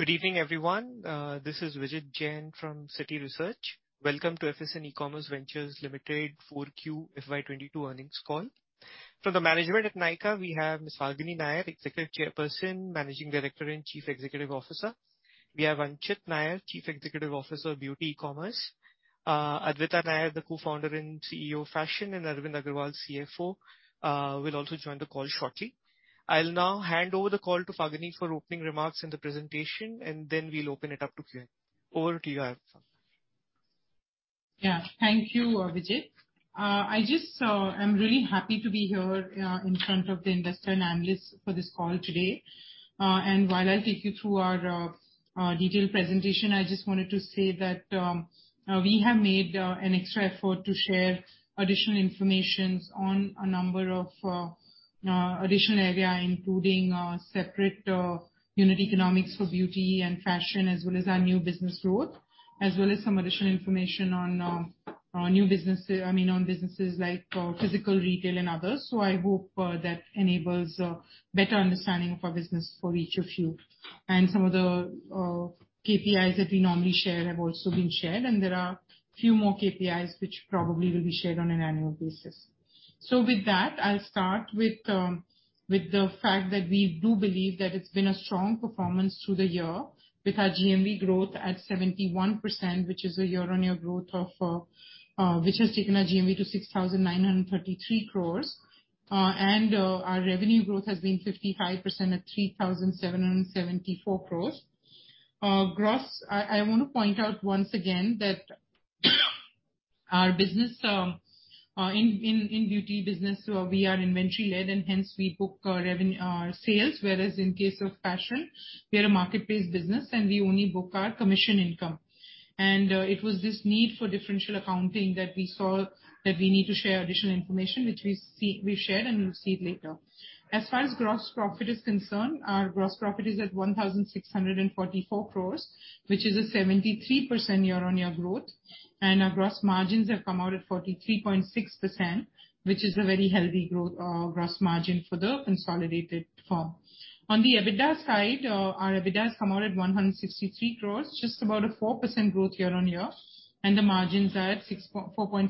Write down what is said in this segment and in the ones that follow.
Good evening, everyone. This is Vijit Jain from Citi Research. Welcome to FSN E-Commerce Ventures Limited 4Q FY 2022 earnings call. From the management at Nykaa, we have Falguni Nayar, Executive Chairperson, Managing Director and Chief Executive Officer. We have Anchit Nayar, Chief Executive Officer, Beauty eCommerce. Adwaita Nayar, the Co-founder and CEO of Fashion, and Arvind Agarwal, CFO, will also join the call shortly. I'll now hand over the call to Falguni for opening remarks and the presentation, and then we'll open it up to Q&A. Over to you, Falguni. Yeah. Thank you, Vijit. I just... I'm really happy to be here in front of the investors and analysts for this call today. While I take you through our detailed presentation, I just wanted to say that we have made an extra effort to share additional information on a number of additional areas, including separate unit economics for beauty and fashion, as well as our new business growth, as well as some additional information on our new business, I mean, on businesses like physical retail and others. I hope that enables a better understanding of our business for each of you. Some of the KPIs that we normally share have also been shared, and there are a few more KPIs which probably will be shared on an annual basis. With that, I'll start with the fact that we do believe that it's been a strong performance through the year with our GMV growth at 71%, which is a year-on-year growth which has taken our GMV to 6,933 crores. Our revenue growth has been 55% at 3,774 crores. I want to point out once again that our business in beauty business, we are inventory-led and hence we book our sales, whereas in case of fashion, we are a market-based business, and we only book our commission income. It was this need for differential accounting that we saw that we need to share additional information, which we've shared, and we'll see it later. As far as gross profit is concerned, our gross profit is at 1,644 crores, which is a 73% year-on-year growth, and our gross margins have come out at 43.6%, which is a very healthy growth, gross margin for the consolidated form. On the EBITDA side, our EBITDA has come out at 163 crores, just about a 4% growth year-on-year, and the margins are at 4.3%.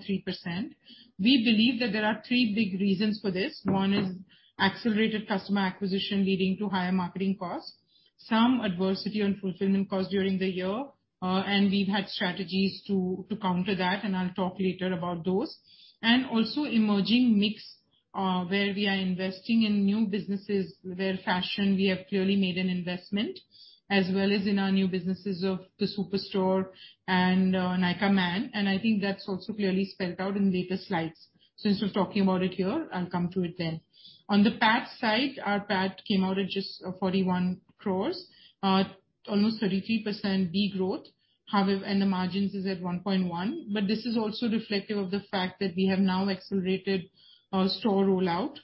We believe that there are three big reasons for this. One is accelerated customer acquisition leading to higher marketing costs, some adversity on fulfillment costs during the year, and we've had strategies to counter that, and I'll talk later about those. Also emerging mix, where we are investing in new businesses, where fashion we have clearly made an investment, as well as in our new businesses of the Superstore and, Nykaa Man, and I think that's also clearly spelled out in later slides. Since we're talking about it here, I'll come to it then. On the PAT side, our PAT came out at just, 41 crore, almost 33% de-growth. However. The margins is at 1.1%, but this is also reflective of the fact that we have now accelerated our store rollout,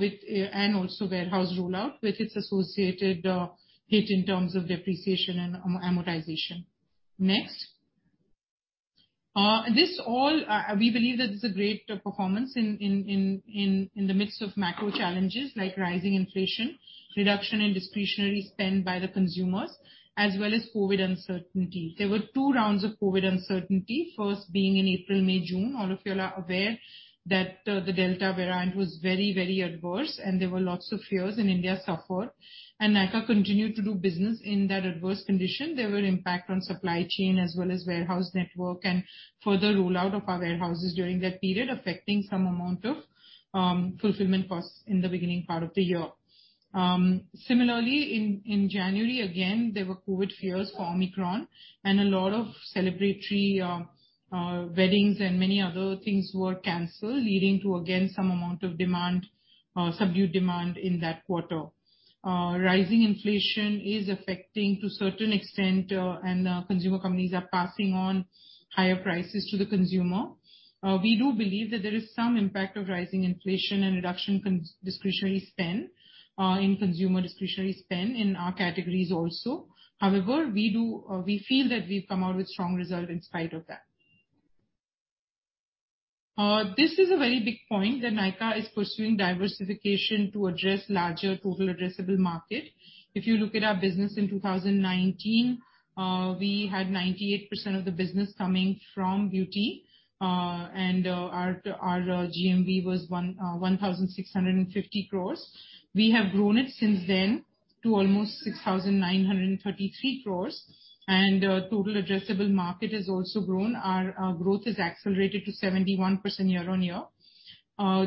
with, and also warehouse rollout with its associated, hit in terms of depreciation and amortization. Next. This all. We believe that this is a great performance in the midst of macro challenges like rising inflation, reduction in discretionary spend by the consumers, as well as COVID uncertainty. There were two rounds of COVID uncertainty, first being in April, May, June. All of you are aware that the Delta variant was very, very adverse, and there were lots of fears, and India suffered. Nykaa continued to do business in that adverse condition. There were impact on supply chain as well as warehouse network and further rollout of our warehouses during that period, affecting some amount of fulfillment costs in the beginning part of the year. Similarly, in January, again, there were COVID fears for Omicron and a lot of celebratory weddings and many other things were canceled, leading to, again, some amount of subdued demand in that quarter. Rising inflation is affecting to a certain extent, and consumer companies are passing on higher prices to the consumer. We do believe that there is some impact of rising inflation and reduction in consumer discretionary spend in our categories also. However, we do, we feel that we've come out with strong result in spite of that. This is a very big point, that Nykaa is pursuing diversification to address larger total addressable market. If you look at our business in 2019, we had 98% of the business coming from beauty. Our GMV was 1,650 crores. We have grown it since then to almost 6,933 crores, and total addressable market has also grown. Our growth has accelerated to 71% year-on-year.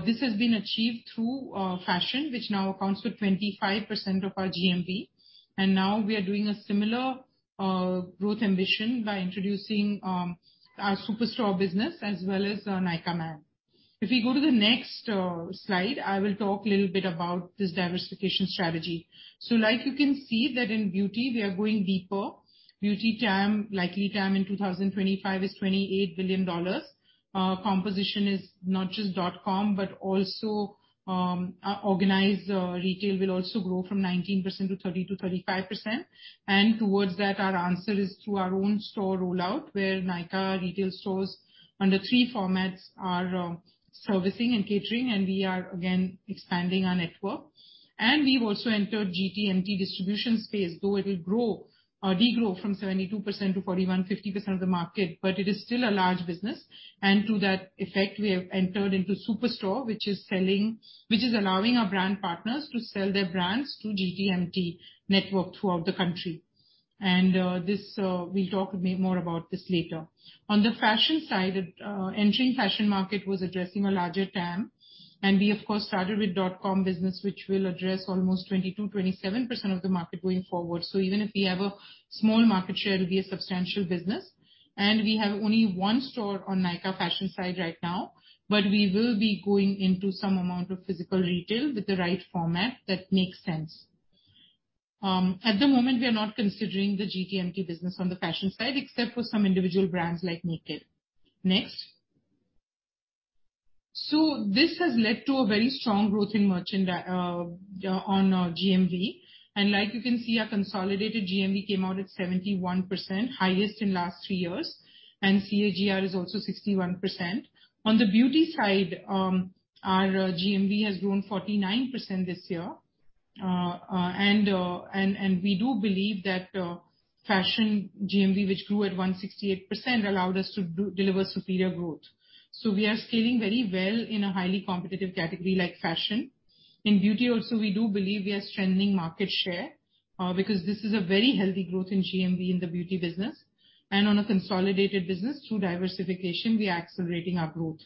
This has been achieved through fashion, which now accounts for 25% of our GMV. Now we are doing a similar growth ambition by introducing our Superstore business as well as Nykaa Man. If you go to the next slide, I will talk a little bit about this diversification strategy. Like you can see that in beauty, we are going deeper. Beauty TAM, likely TAM in 2025 is $28 billion. Composition is not just dot-com, but also organized retail will also grow from 19% to 30%-35%. Towards that, our answer is through our own store rollout, where Nykaa retail stores under three formats are servicing and catering, and we are again expanding our network. We've also entered GTMT distribution space, though it will grow or degrow from 72% to 41-50% of the market, but it is still a large business. To that effect, we have entered into Superstore, which is allowing our brand partners to sell their brands through GTMT network throughout the country. We'll talk a bit more about this later. On the fashion side, entering fashion market was addressing a larger TAM, and we of course started with dotcom business, which will address almost 22%-27% of the market going forward. Even if we have a small market share, it'll be a substantial business. We have only one store on Nykaa Fashion side right now, but we will be going into some amount of physical retail with the right format that makes sense. At the moment, we are not considering the GTMT business on the fashion side, except for some individual brands like Nykaa. Next. This has led to a very strong growth on our GMV. Like you can see, our consolidated GMV came out at 71%, highest in last three years, and CAGR is also 61%. On the beauty side, our GMV has grown 49% this year. We do believe that fashion GMV, which grew at 168%, allowed us to deliver superior growth. We are scaling very well in a highly competitive category like fashion. In beauty also, we do believe we are strengthening market share, because this is a very healthy growth in GMV in the beauty business. On a consolidated business through diversification, we are accelerating our growth.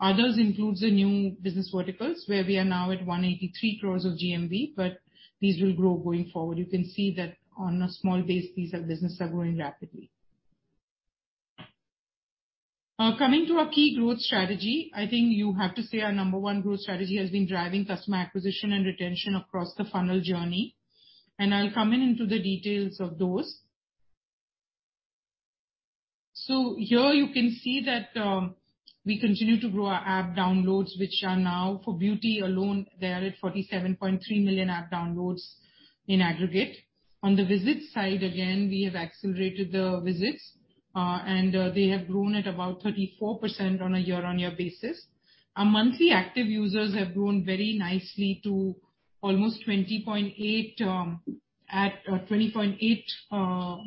Others includes the new business verticals, where we are now at 183 crores of GMV, but these will grow going forward. You can see that on a small base, these businesses are growing rapidly. Coming to our key growth strategy, I think you have to say our number one growth strategy has been driving customer acquisition and retention across the funnel journey, and I'll come in into the details of those. Here you can see that, we continue to grow our app downloads, which are now for beauty alone, they are at 47.3 million app downloads in aggregate. On the visit side, again, we have accelerated the visits, and they have grown at about 34% on a year-on-year basis. Our monthly active users have grown very nicely to almost 20.8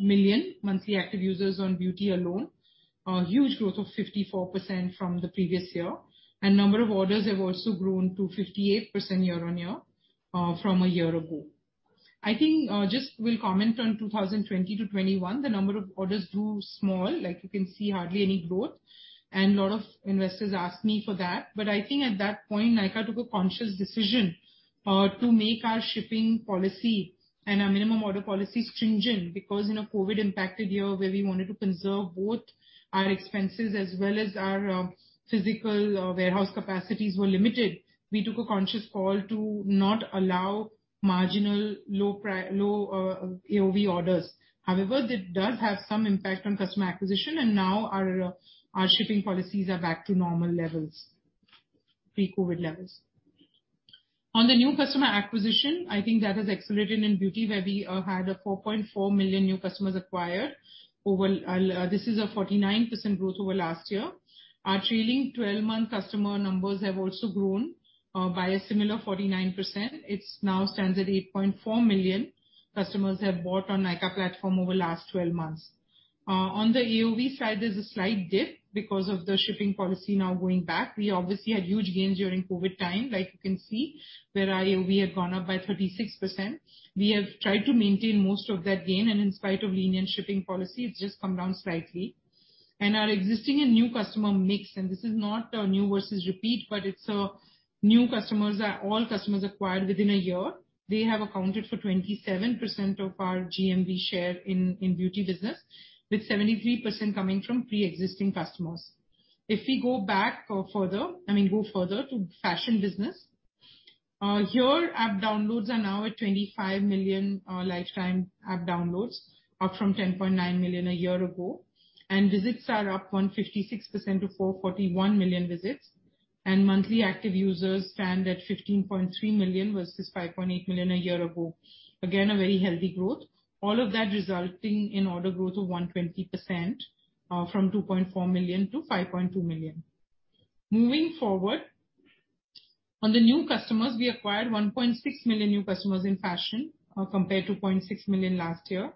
million monthly active users on beauty alone. A huge growth of 54% from the previous year. Number of orders have also grown to 58% year-on-year, from a year ago. I think, just we'll comment on 2020-2021, the number of orders grew small, like you can see hardly any growth, and a lot of investors asked me for that. I think at that point, Nykaa took a conscious decision to make our shipping policy and our minimum order policy stringent because in a COVID impacted year where we wanted to conserve both our expenses as well as our physical warehouse capacities were limited. We took a conscious call to not allow marginal low AOV orders. However, that does have some impact on customer acquisition, and now our shipping policies are back to normal levels, pre-COVID levels. On the new customer acquisition, I think that has accelerated in beauty, where we had a 4.4 million new customers acquired over this is a 49% growth over last year. Our trailing twelve-month customer numbers have also grown by a similar 49%. It now stands at 8.4 million customers have bought on Nykaa platform over last twelve months. On the AOV side, there's a slight dip because of the shipping policy now going back. We obviously had huge gains during COVID time, like you can see where our AOV had gone up by 36%. We have tried to maintain most of that gain, and in spite of lenient shipping policy, it's just come down slightly. Our existing and new customer mix, and this is not new versus repeat, but it's new customers are all customers acquired within a year. They have accounted for 27% of our GMV share in beauty business, with 73% coming from pre-existing customers. If we go further to fashion business, here app downloads are now at 25 million lifetime app downloads, up from 10.9 million a year ago. Visits are up 156% to 441 million visits. Monthly active users stand at 15.3 million versus 5.8 million a year ago. Again, a very healthy growth. All of that resulting in order growth of 120%, from 2.4 million to 5.2 million. Moving forward, on the new customers, we acquired 1.6 million new customers in fashion, compared to 0.6 million last year.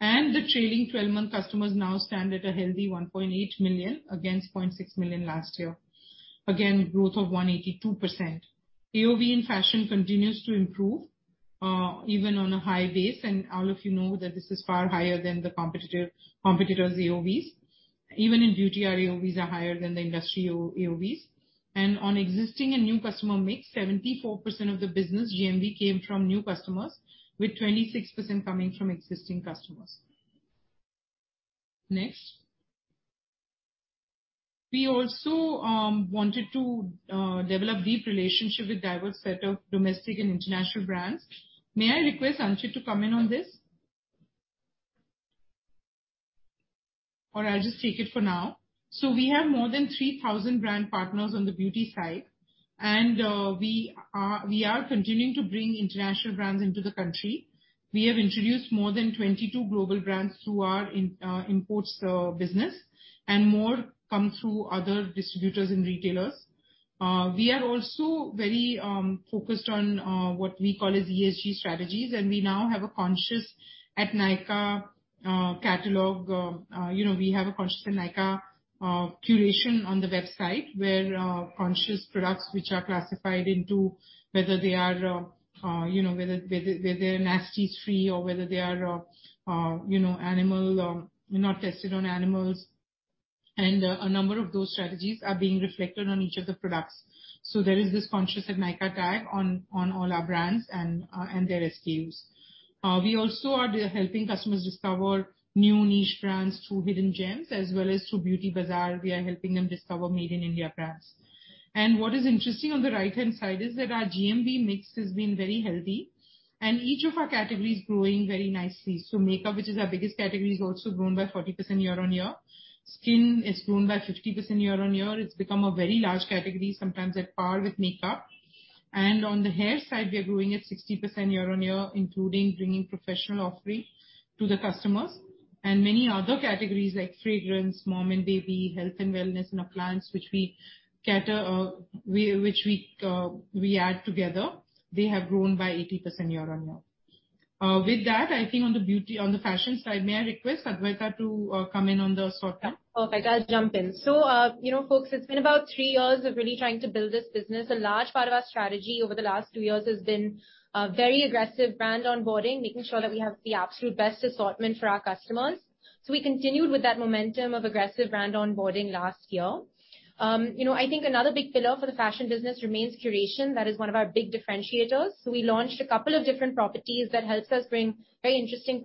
The trailing 12 month customers now stand at a healthy 1.8 million against 0.6 million last year. Again, growth of 182%. AOV in fashion continues to improve, even on a high base, and all of you know that this is far higher than the competitor's AOVs. Even in beauty, our AOVs are higher than the industry AOVs. On existing and new customer mix, 74% of the business GMV came from new customers, with 26% coming from existing customers. Next. We also wanted to develop deep relationship with diverse set of domestic and international brands. May I request Anchit to come in on this? Or I'll just take it for now. We have more than 3,000 brand partners on the beauty side, and we are continuing to bring international brands into the country. We have introduced more than 22 global brands through our imports business, and more come through other distributors and retailers. We are also very focused on what we call as ESG strategies, and we now have a Conscious at Nykaa catalog. You know, we have a Conscious at Nykaa curation on the website, where conscious products which are classified into whether they are you know whether they're nasties free or whether they are you know not tested on animals. A number of those strategies are being reflected on each of the products. There is this Conscious at Nykaa tag on all our brands and their SKUs. We also are helping customers discover new niche brands through Hidden Gems, as well as through Beauty Bazaar. We are helping them discover Made in India brands. What is interesting on the right-hand side is that our GMV mix has been very healthy, and each of our categories growing very nicely. Makeup, which is our biggest category, has also grown by 40% year-on-year. Skin has grown by 50% year-on-year. It's become a very large category, sometimes at par with makeup. On the hair side, we are growing at 60% year-on-year, including bringing professional offering to the customers. Many other categories like fragrance, mom and baby, health and wellness, and appliance, which we cater. We add together, they have grown by 80% year-on-year. With that, I think on the fashion side, may I request Adwaita to come in on the short term. Perfect. I'll jump in. You know, folks, it's been about three years of really trying to build this business. A large part of our strategy over the last two years has been very aggressive brand onboarding, making sure that we have the absolute best assortment for our customers. We continued with that momentum of aggressive brand onboarding last year. You know, I think another big pillar for the fashion business remains curation. That is one of our big differentiators. We launched a couple of different properties that helps us bring very interesting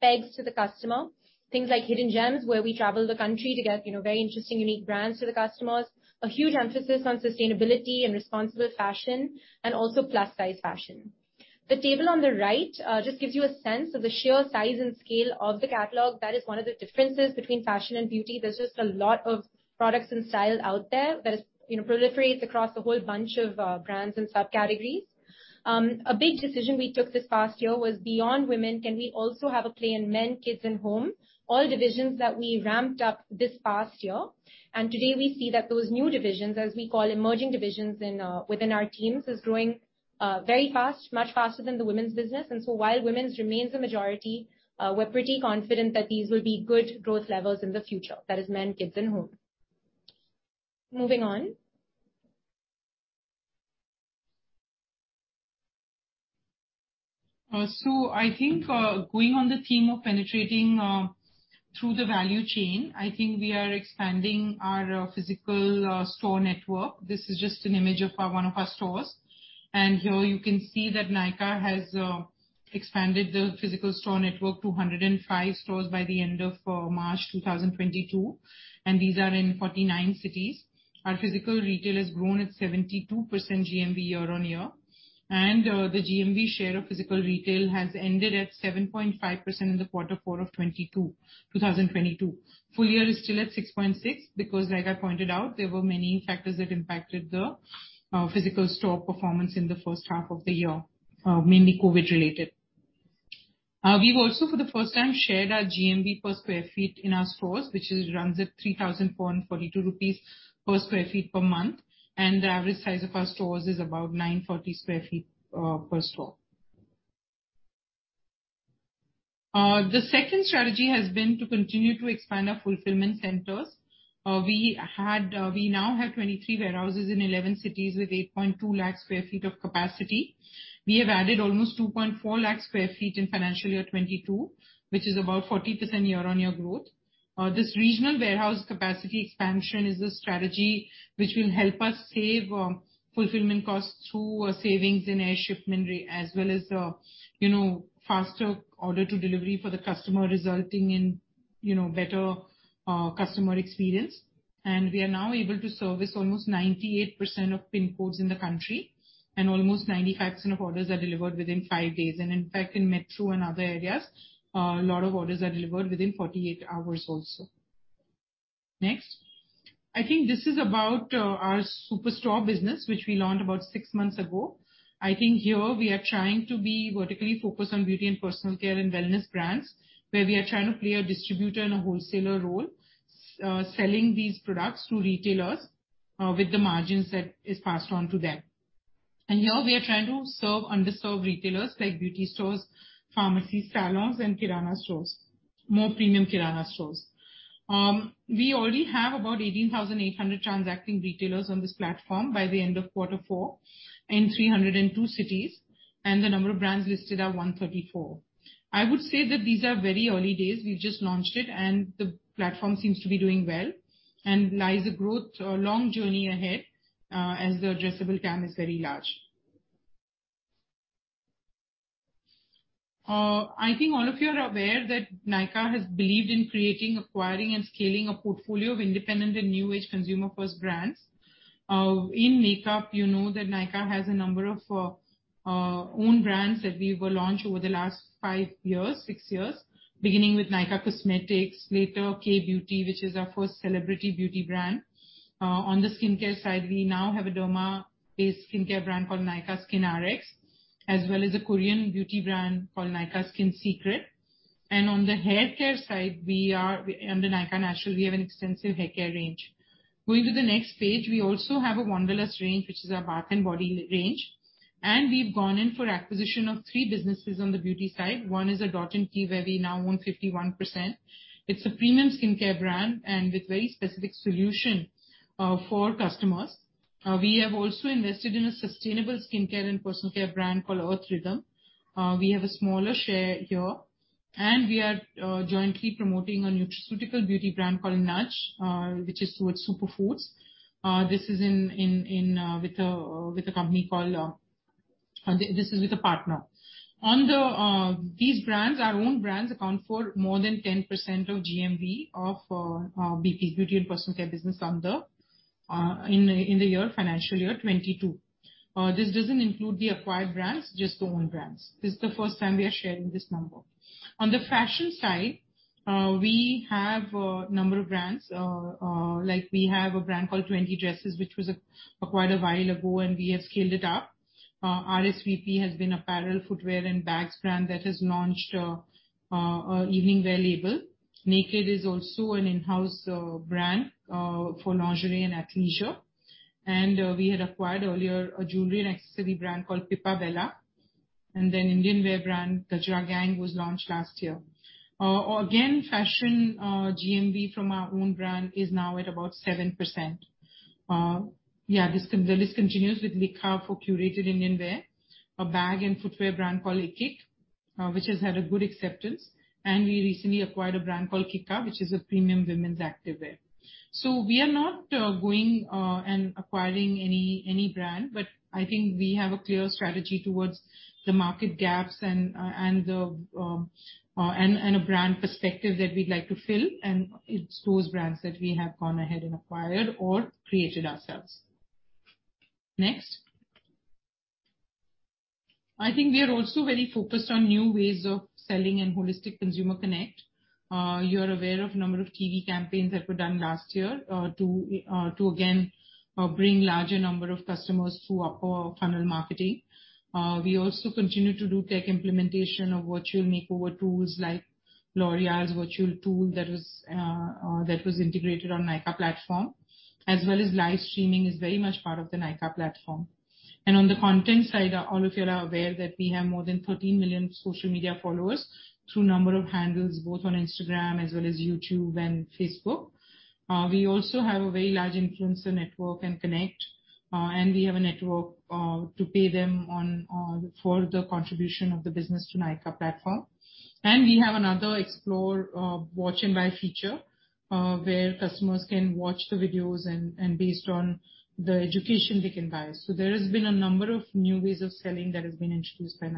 pegs to the customer. Things like Hidden Gems, where we travel the country to get, you know, very interesting, unique brands to the customers. A huge emphasis on sustainability and responsible fashion, and also plus size fashion. The table on the right just gives you a sense of the sheer size and scale of the catalog. That is one of the differences between fashion and beauty. There's just a lot of products and style out there that is, you know, proliferates across a whole bunch of brands and subcategories. A big decision we took this past year was beyond women, can we also have a play in men, kids, and home? All divisions that we ramped up this past year. Today we see that those new divisions, as we call emerging divisions within our teams, is growing very fast, much faster than the women's business. While women's remains a majority, we're pretty confident that these will be good growth levels in the future. That is men, kids, and home. Moving on. I think, going on the theme of penetrating through the value chain, I think we are expanding our physical store network. This is just an image of one of our stores. Here you can see that Nykaa has expanded the physical store network to 105 stores by the end of March 2022, and these are in 49 cities. Our physical retail has grown at 72% GMV year-on-year. The GMV share of physical retail has ended at 7.5% in the quarter four of 2022. Full year is still at 6.6 because, like I pointed out, there were many factors that impacted the physical store performance in the first half of the year, mainly COVID related. We've also for the first time shared our GMV per square feet in our stores, which runs at 3,442 rupees per square feet per month, and the average size of our stores is about 940 sq ft per store. The second strategy has been to continue to expand our fulfillment centers. We now have 23 warehouses in 11 cities with 8.2 lakh sq ft of capacity. We have added almost 2.4 lakh sq ft in financial year 2022, which is about 40% year-on-year growth. This regional warehouse capacity expansion is a strategy which will help us save fulfillment costs through savings in air shipment as well as, you know, faster order to delivery for the customer, resulting in, you know, better customer experience. We are now able to service almost 98% of pin codes in the country, and almost 95% of orders are delivered within five days. In fact, in metro and other areas, a lot of orders are delivered within 48 hours also. Next. I think this is about our Superstore business, which we launched about six months ago. I think here we are trying to be vertically focused on beauty and personal care and wellness brands, where we are trying to play a distributor and a wholesaler role, selling these products to retailers with the margins that is passed on to them. Here we are trying to serve underserved retailers like beauty stores, pharmacies, salons, and kirana stores, more premium kirana stores. We already have about 18,800 transacting retailers on this platform by the end of quarter four in 302 cities, and the number of brands listed are 134. I would say that these are very early days. We've just launched it, and the platform seems to be doing well, and lots of growth, a long journey ahead, as the addressable TAM is very large. I think all of you are aware that Nykaa has believed in creating, acquiring, and scaling a portfolio of independent and new age consumer first brands. In makeup, you know that Nykaa has a number of own brands that we've launched over the last five years, six years, beginning with Nykaa Cosmetics, later Kay Beauty, which is our first celebrity beauty brand. On the skincare side, we now have Aderma a skincare brand called Nykaa SKINRX, as well as a Korean beauty brand called Nykaa Skin Secrets. On the haircare side, under Nykaa Naturals, we have an extensive haircare range. Going to the next page, we also have a Wanderlust range, which is our bath and body range. We've gone in for acquisition of three businesses on the beauty side. One is Dot & Key, where we now own 51%. It's a premium skincare brand and with very specific solution for customers. We have also invested in a sustainable skincare and personal care brand called Earth Rhythm. We have a smaller share here. We are jointly promoting a nutraceutical beauty brand called Nudge, which is towards superfoods. This is with a partner. On these brands, our own brands account for more than 10% of GMV of BPC beauty and personal care business in the financial year 2022. This doesn't include the acquired brands, just the own brands. This is the first time we are sharing this number. On the fashion side, we have a number of brands. Like we have a brand called Twenty Dresses, which was acquired a while ago, and we have scaled it up. RSVP is an apparel, footwear, and bags brand that has launched an evening wear label. Nykd is also an in-house brand for lingerie and athleisure. We had acquired earlier a jewelry and accessory brand called Pipa Bella. Then Indian wear brand, Gajra Gang, was launched last year. Again, fashion GMV from our own brand is now at about 7%. The list continues with Likha for curated Indian wear. A bag and footwear brand called IYKYK, which has had a good acceptance. We recently acquired a brand called Kica, which is a premium women's activewear. We are not going and acquiring any brand, but I think we have a clear strategy towards the market gaps and a brand perspective that we'd like to fill, and it's those brands that we have gone ahead and acquired or created ourselves. Next. I think we are also very focused on new ways of selling and holistic consumer connect. You're aware of number of TV campaigns that were done last year to again bring larger number of customers through upper funnel marketing. We also continue to do tech implementation of virtual makeover tools like L'Oréal's virtual tool that was integrated on Nykaa platform. As well as live streaming is very much part of the Nykaa platform. On the content side, all of you are aware that we have more than 13 million social media followers through number of handles, both on Instagram as well as YouTube and Facebook. We also have a very large influencer network and connect, and we have a network to pay them on for the contribution of the business to Nykaa platform. We have another explore, watch and buy feature, where customers can watch the videos and based on the education they can buy. There has been a number of new ways of selling that has been introduced by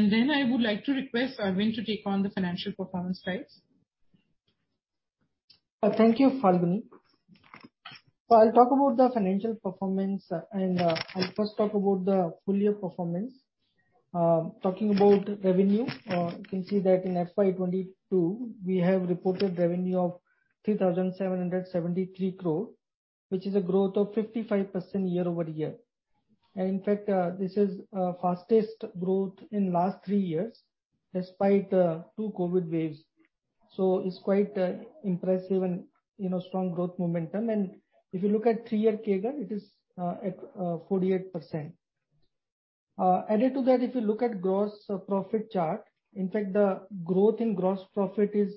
Nykaa. Then I would like to request Arvind to take on the financial performance slides. Thank you, Falguni. I'll talk about the financial performance and, I'll first talk about the full year performance. Talking about revenue, you can see that in FY 2022, we have reported revenue of 3,773 crore, which is a growth of 55% year-over-year. In fact, this is fastest growth in last three years despite two COVID waves. It's quite impressive and, you know, strong growth momentum. If you look at three-year CAGR, it is at 48%. Added to that, if you look at gross profit chart, the growth in gross profit is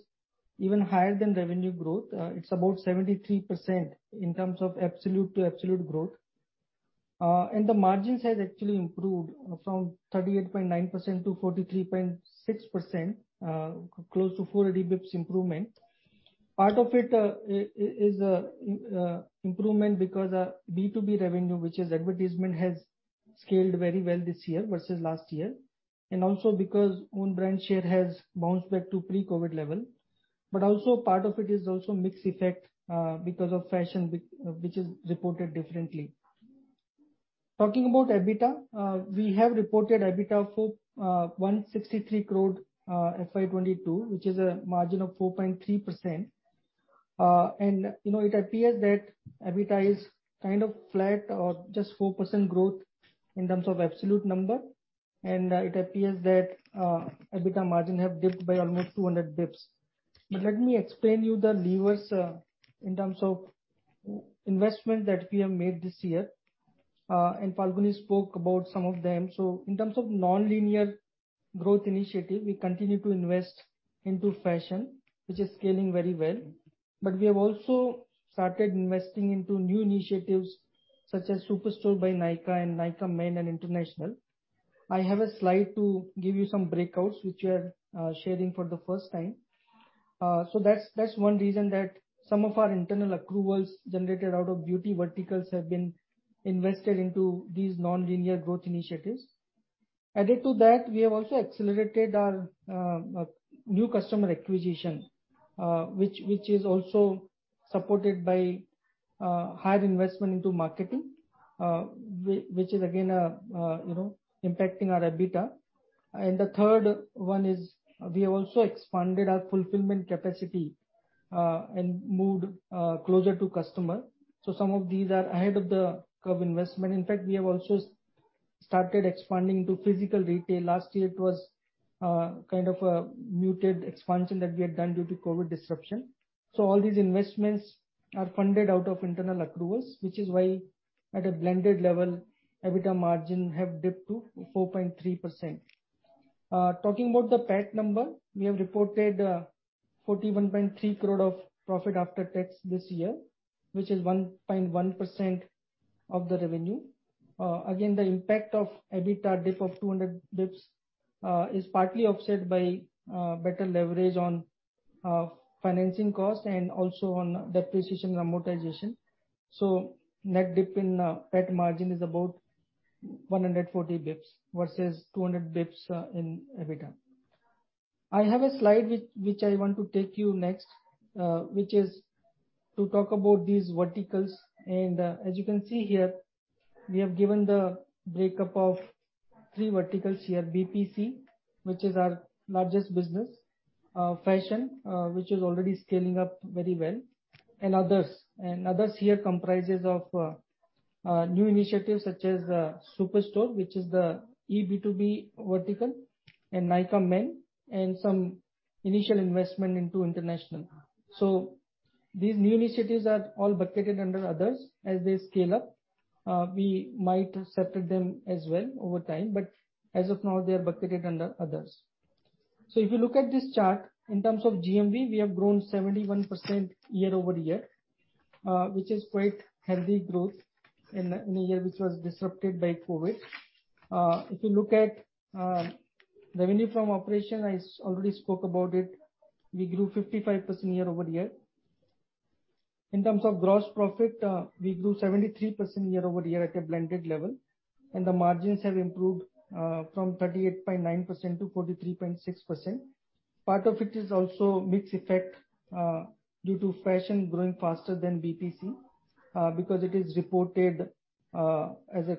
even higher than revenue growth. It's about 73% in terms of absolute to absolute growth. The margins has actually improved from 38.9% to 43.6%, close to 400 bps improvement. Part of it is improvement because B2B revenue, which is advertisement, has scaled very well this year versus last year. Also because own brand share has bounced back to pre-COVID level. Also part of it is also mix effect because of fashion, which is reported differently. Talking about EBITDA, we have reported EBITDA of 163 crore, FY 2022, which is a margin of 4.3%. It appears that EBITDA is kind of flat or just 4% growth in terms of absolute number. It appears that EBITDA margin have dipped by almost 200 bps. Let me explain you the levers in terms of investment that we have made this year, and Falguni spoke about some of them. In terms of nonlinear growth initiative, we continue to invest into fashion, which is scaling very well. We have also started investing into new initiatives such as Superstore by Nykaa and Nykaa Man and International. I have a slide to give you some breakouts which we are sharing for the first time. That's one reason that some of our internal accruals generated out of beauty verticals have been invested into these nonlinear growth initiatives. Added to that, we have also accelerated our new customer acquisition, which is also supported by higher investment into marketing, which is again, you know, impacting our EBITDA. The third one is we have also expanded our fulfillment capacity and moved closer to customer. Some of these are ahead of the curve investment. In fact, we have also started expanding to physical retail. Last year it was kind of a muted expansion that we had done due to COVID disruption. All these investments are funded out of internal accruals, which is why at a blended level, EBITDA margin have dipped to 4.3%. Talking about the PAT number, we have reported 41.3 crore of profit after tax this year, which is 1.1% of the revenue. Again, the impact of EBITDA dip of 200 basis points is partly offset by better leverage on financing costs and also on depreciation and amortization. Net dip in PAT margin is about 140 basis points versus 200 basis points in EBITDA. I have a slide which I want to take you next, which is to talk about these verticals. As you can see here, we have given the break up of three verticals here, BPC, which is our largest business, fashion, which is already scaling up very well, and others. Others here comprises of new initiatives such as Superstore, which is the EB2B vertical, and Nykaa Man, and some initial investment into international. These new initiatives are all bucketed under others. As they scale up, we might separate them as well over time, but as of now, they are bucketed under others. If you look at this chart, in terms of GMV, we have grown 71% year-over-year, which is quite healthy growth in a year which was disrupted by COVID. If you look at revenue from operation, already spoke about it, we grew 55% year-over-year. In terms of gross profit, we grew 73% year-over-year at a blended level, and the margins have improved from 38.9% to 43.6%. Part of it is also mix effect due to fashion growing faster than BPC because it is reported as a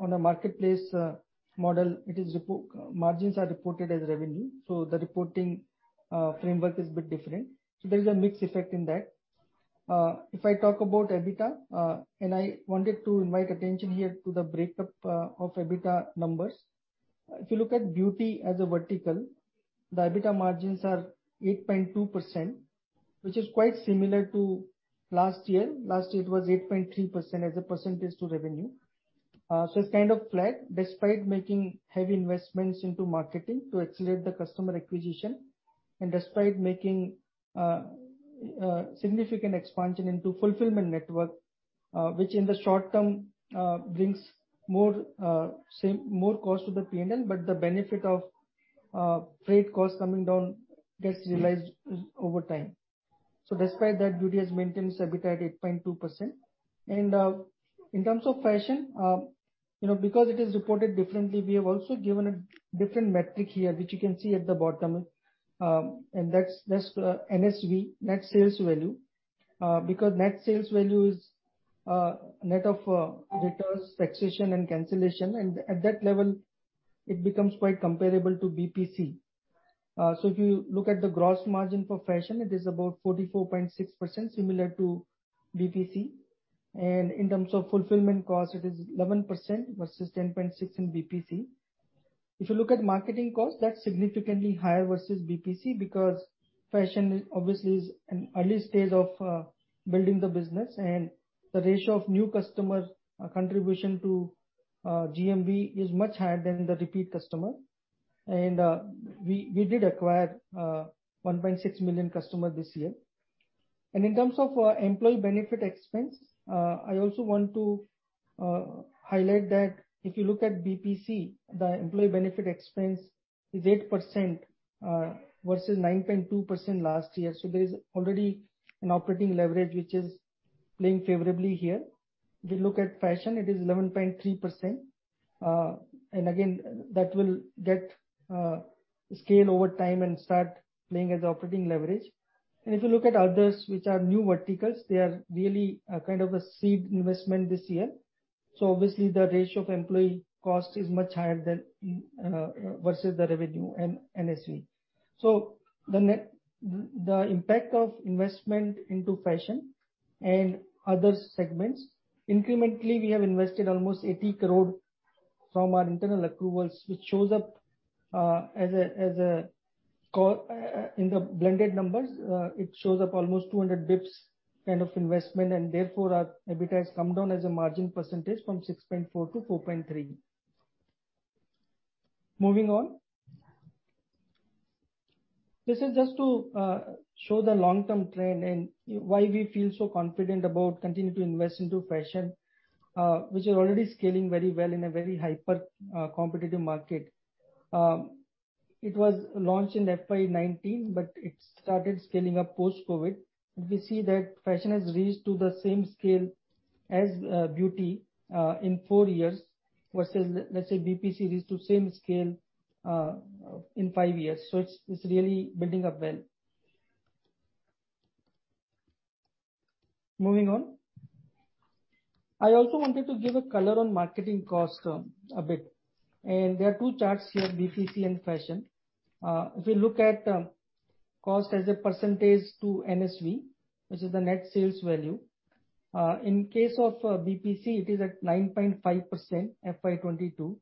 on a marketplace model. Margins are reported as revenue, so the reporting framework is a bit different. There is a mix effect in that. If I talk about EBITDA, and I wanted to invite attention here to the break up of EBITDA numbers. If you look at beauty as a vertical, the EBITDA margins are 8.2%, which is quite similar to last year. Last year it was 8.3% as a percentage of revenue. It's kind of flat, despite making heavy investments into marketing to accelerate the customer acquisition, and despite making significant expansion into fulfillment network, which in the short term brings more cost to the P&L, but the benefit of freight costs coming down gets realized over time. Despite that, beauty has maintained its EBITDA at 8.2%. In terms of fashion, because it is reported differently, we have also given a different metric here, which you can see at the bottom. That's NSV, net sales value. Because net sales value is net of returns, taxation and cancellation. At that level, it becomes quite comparable to BPC. If you look at the gross margin for fashion, it is about 44.6%, similar to BPC. In terms of fulfillment cost, it is 11% versus 10.6% in BPC. If you look at marketing costs, that's significantly higher versus BPC, because fashion is obviously an early stage of building the business, and the ratio of new customer contribution to GMV is much higher than the repeat customer. We did acquire 1.6 million customer this year. In terms of employee benefit expense, I also want to highlight that if you look at BPC, the employee benefit expense is 8% versus 9.2% last year. There is already an operating leverage which is playing favorably here. If you look at fashion, it is 11.3%. Again, that will get scale over time and start playing as operating leverage. If you look at others, which are new verticals, they are really a kind of a seed investment this year. Obviously, the ratio of employee cost is much higher than versus the revenue and NSV. The impact of investment into fashion and other segments, incrementally we have invested almost 80 crore from our internal accruals, which shows up as a cost in the blended numbers, it shows up almost 200 basis points kind of investment and therefore our EBITDA has come down as a margin percentage from 6.4% to 4.3%. Moving on. This is just to show the long-term trend and why we feel so confident about continuing to invest into fashion, which are already scaling very well in a very hyper competitive market. It was launched in FY 2019, but it started scaling up post-COVID. We see that fashion has reached to the same scale as beauty in four years, versus, let's say BPC reached to same scale in five years. It's really building up well. Moving on. I also wanted to give a color on marketing cost a bit, and there are two charts here, BPC and fashion. If you look at cost as a percentage to NSV, which is the net sales value, in case of BPC, it is at 9.5% FY 2022.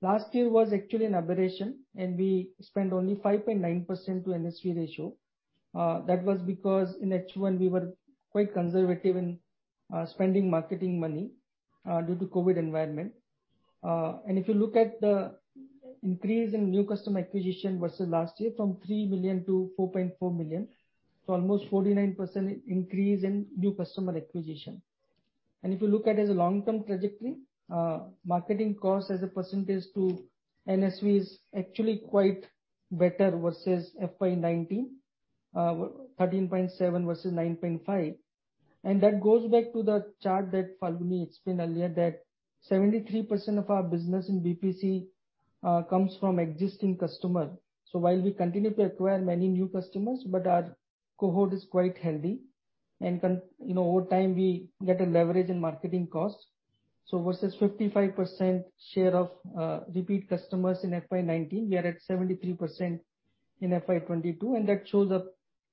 Last year was actually an aberration, and we spent only 5.9% to NSV ratio. That was because in H1 we were quite conservative in spending marketing money due to COVID environment. If you look at the increase in new customer acquisition versus last year, from 3 million to 4.4 million, almost 49% increase in new customer acquisition. If you look at as a long-term trajectory, marketing cost as a percentage to NSV is actually quite better versus FY 2019, 13.7 versus 9.5. That goes back to the chart that Falguni explained earlier, that 73% of our business in BPC comes from existing customer. While we continue to acquire many new customers, our cohort is quite healthy and, you know, over time, we get a leverage in marketing costs. Versus 55% share of repeat customers in FY 2019, we are at 73% in FY 2022, and that shows up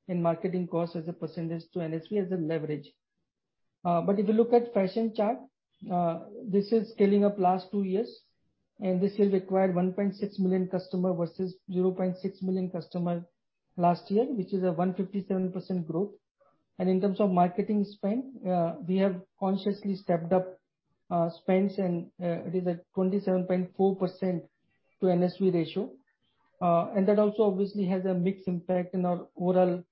in marketing costs as a percentage to NSV as a leverage. If you look at fashion chart, this is scaling up last two years, and this has acquired 1.6 million customer versus 0.6 million customer last year, which is a 157% growth. In terms of marketing spend, we have consciously stepped up spends and it is at 27.4% to NSV ratio. That also obviously has a mixed impact in our overall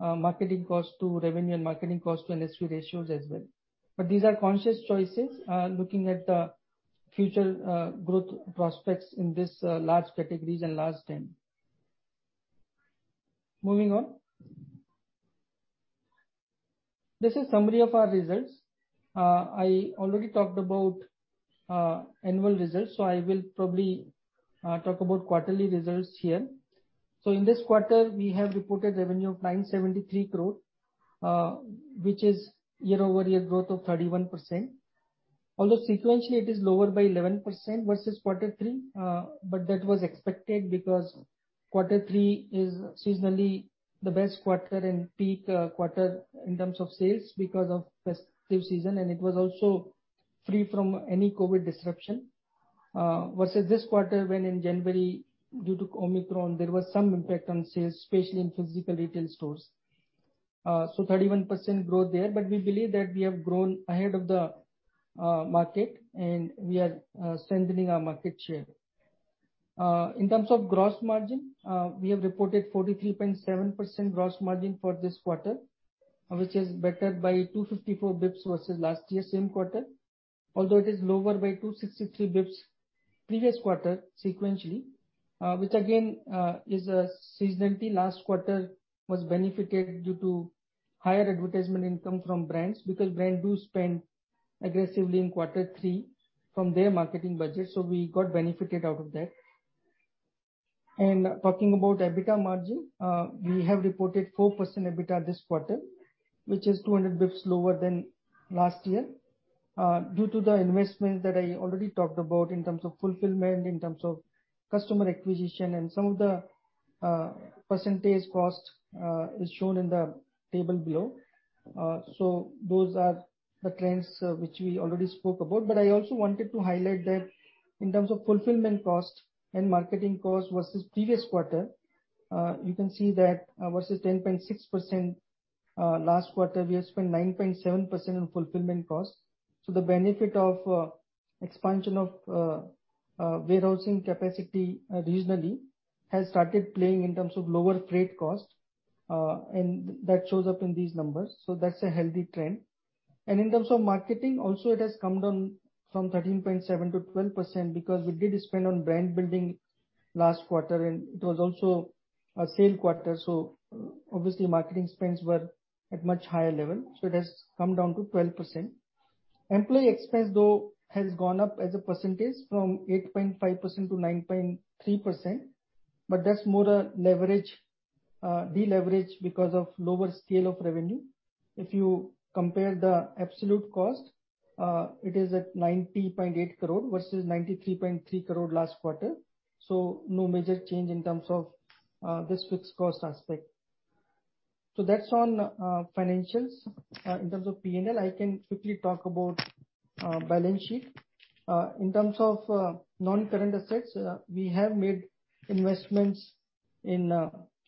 marketing cost to revenue and marketing cost to NSV ratios as well. These are conscious choices looking at the future growth prospects in this large categories and large TAM. Moving on. This is summary of our results. I already talked about annual results, so I will probably talk about quarterly results here. In this quarter, we have reported revenue of 973 crore, which is year-over-year growth of 31%. Although sequentially it is lower by 11% versus quarter three, but that was expected because quarter three is seasonally the best quarter and peak quarter in terms of sales because of festive season, and it was also free from any COVID disruption. Versus this quarter when in January, due to Omicron, there was some impact on sales, especially in physical retail stores. 31% growth there, but we believe that we have grown ahead of the market and we are strengthening our market share. In terms of gross margin, we have reported 43.7% gross margin for this quarter, which is better by 254 basis points versus last year same quarter. Although it is lower by 263 basis points previous quarter sequentially, which again is a seasonality. Last quarter was benefited due to higher advertisement income from brands, because brands do spend aggressively in quarter three from their marketing budget. We got benefited out of that. Talking about EBITDA margin, we have reported 4% EBITDA this quarter, which is 200 basis points lower than last year, due to the investment that I already talked about in terms of fulfillment, in terms of customer acquisition, and some of the percentage cost is shown in the table below. Those are the trends which we already spoke about. I also wanted to highlight that in terms of fulfillment cost and marketing cost versus previous quarter, you can see that, versus 10.6%, last quarter, we have spent 9.7% on fulfillment costs. The benefit of expansion of warehousing capacity, regionally has started playing in terms of lower freight costs, and that shows up in these numbers. That's a healthy trend. In terms of marketing also it has come down from 13.7%-12% because we did spend on brand building last quarter, and it was also a sale quarter, so obviously marketing spends were at much higher level. It has come down to 12%. Employee expense, though, has gone up as a percentage from 8.5% to 9.3%, but that's more a leverage, deleverage because of lower scale of revenue. If you compare the absolute cost, it is at 90.8 crore versus 93.3 crore last quarter. No major change in terms of this fixed cost aspect. That's on financials. In terms of P&L, I can quickly talk about balance sheet. In terms of non-current assets, we have made investments in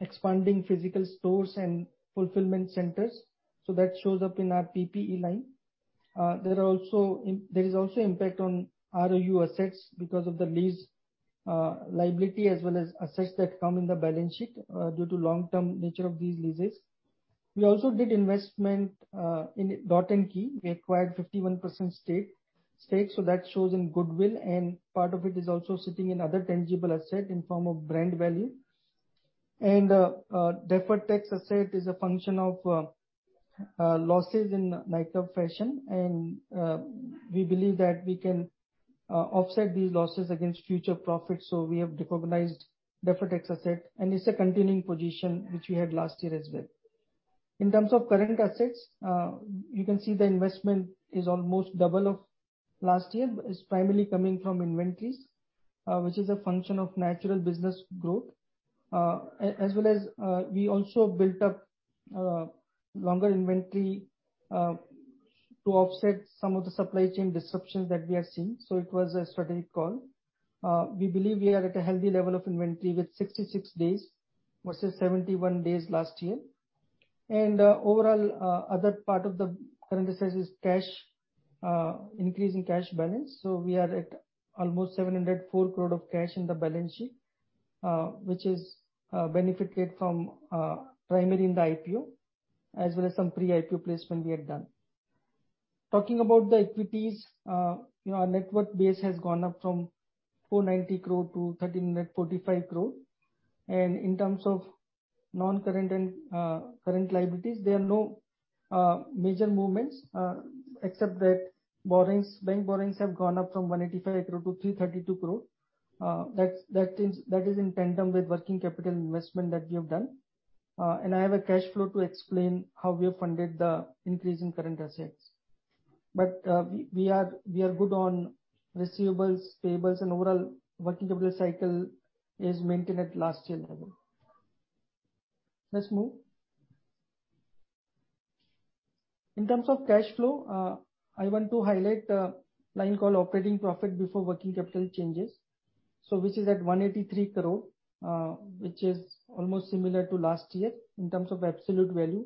expanding physical stores and fulfillment centers, so that shows up in our PPE line. There is also impact on ROU assets because of the lease liability as well as assets that come in the balance sheet due to long-term nature of these leases. We also did investment in Dot & Key. We acquired 51% stake, so that shows in goodwill, and part of it is also sitting in other intangible asset in form of brand value. Deferred tax asset is a function of losses in Nykaa Fashion and we believe that we can offset these losses against future profits, so we have recognized deferred tax asset, and it's a continuing position which we had last year as well. In terms of current assets, you can see the investment is almost double of last year. It's primarily coming from inventories, which is a function of natural business growth. As well as, we also built up larger inventory to offset some of the supply chain disruptions that we have seen. It was a strategic call. We believe we are at a healthy level of inventory with 66 days versus 71 days last year. Overall, other part of the current assets is cash, increase in cash balance. We are at almost 700 crore of cash in the balance sheet, which is benefited from primarily in the IPO as well as some pre-IPO placement we had done. Talking about the equities, our net worth base has gone up from 490 crore to 1,345 crore. In terms of non-current and current liabilities, there are no major movements except that borrowings, bank borrowings have gone up from 185 crore to 332 crore. That is in tandem with working capital investment that we have done. I have a cash flow to explain how we have funded the increase in current assets. We are good on receivables, payables and overall working capital cycle is maintained at last year level. Let's move. In terms of cash flow, I want to highlight the line called operating profit before working capital changes. Which is at 183 crore, which is almost similar to last year in terms of absolute value.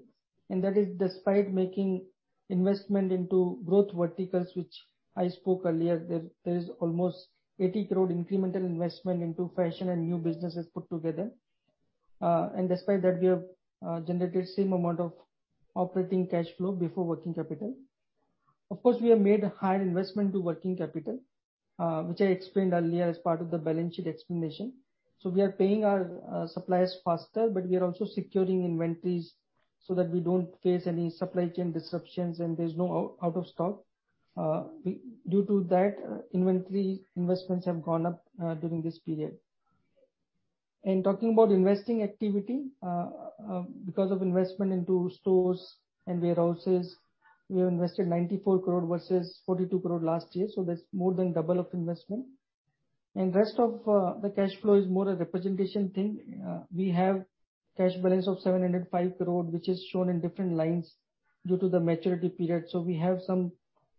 That is despite making investment into growth verticals, which I spoke earlier. There is almost 80 crore incremental investment into fashion and new businesses put together. Despite that, we have generated same amount of operating cash flow before working capital. Of course, we have made a higher investment to working capital, which I explained earlier as part of the balance sheet explanation. We are paying our suppliers faster, but we are also securing inventories so that we don't face any supply chain disruptions and there's no out of stock. Due to that, inventory investments have gone up during this period. Talking about investing activity, because of investment into stores and warehouses, we have invested 94 crore versus 42 crore last year, so that's more than double of investment. Rest of the cash flow is more a representation thing. We have cash balance of 705 crore, which is shown in different lines due to the maturity period. We have some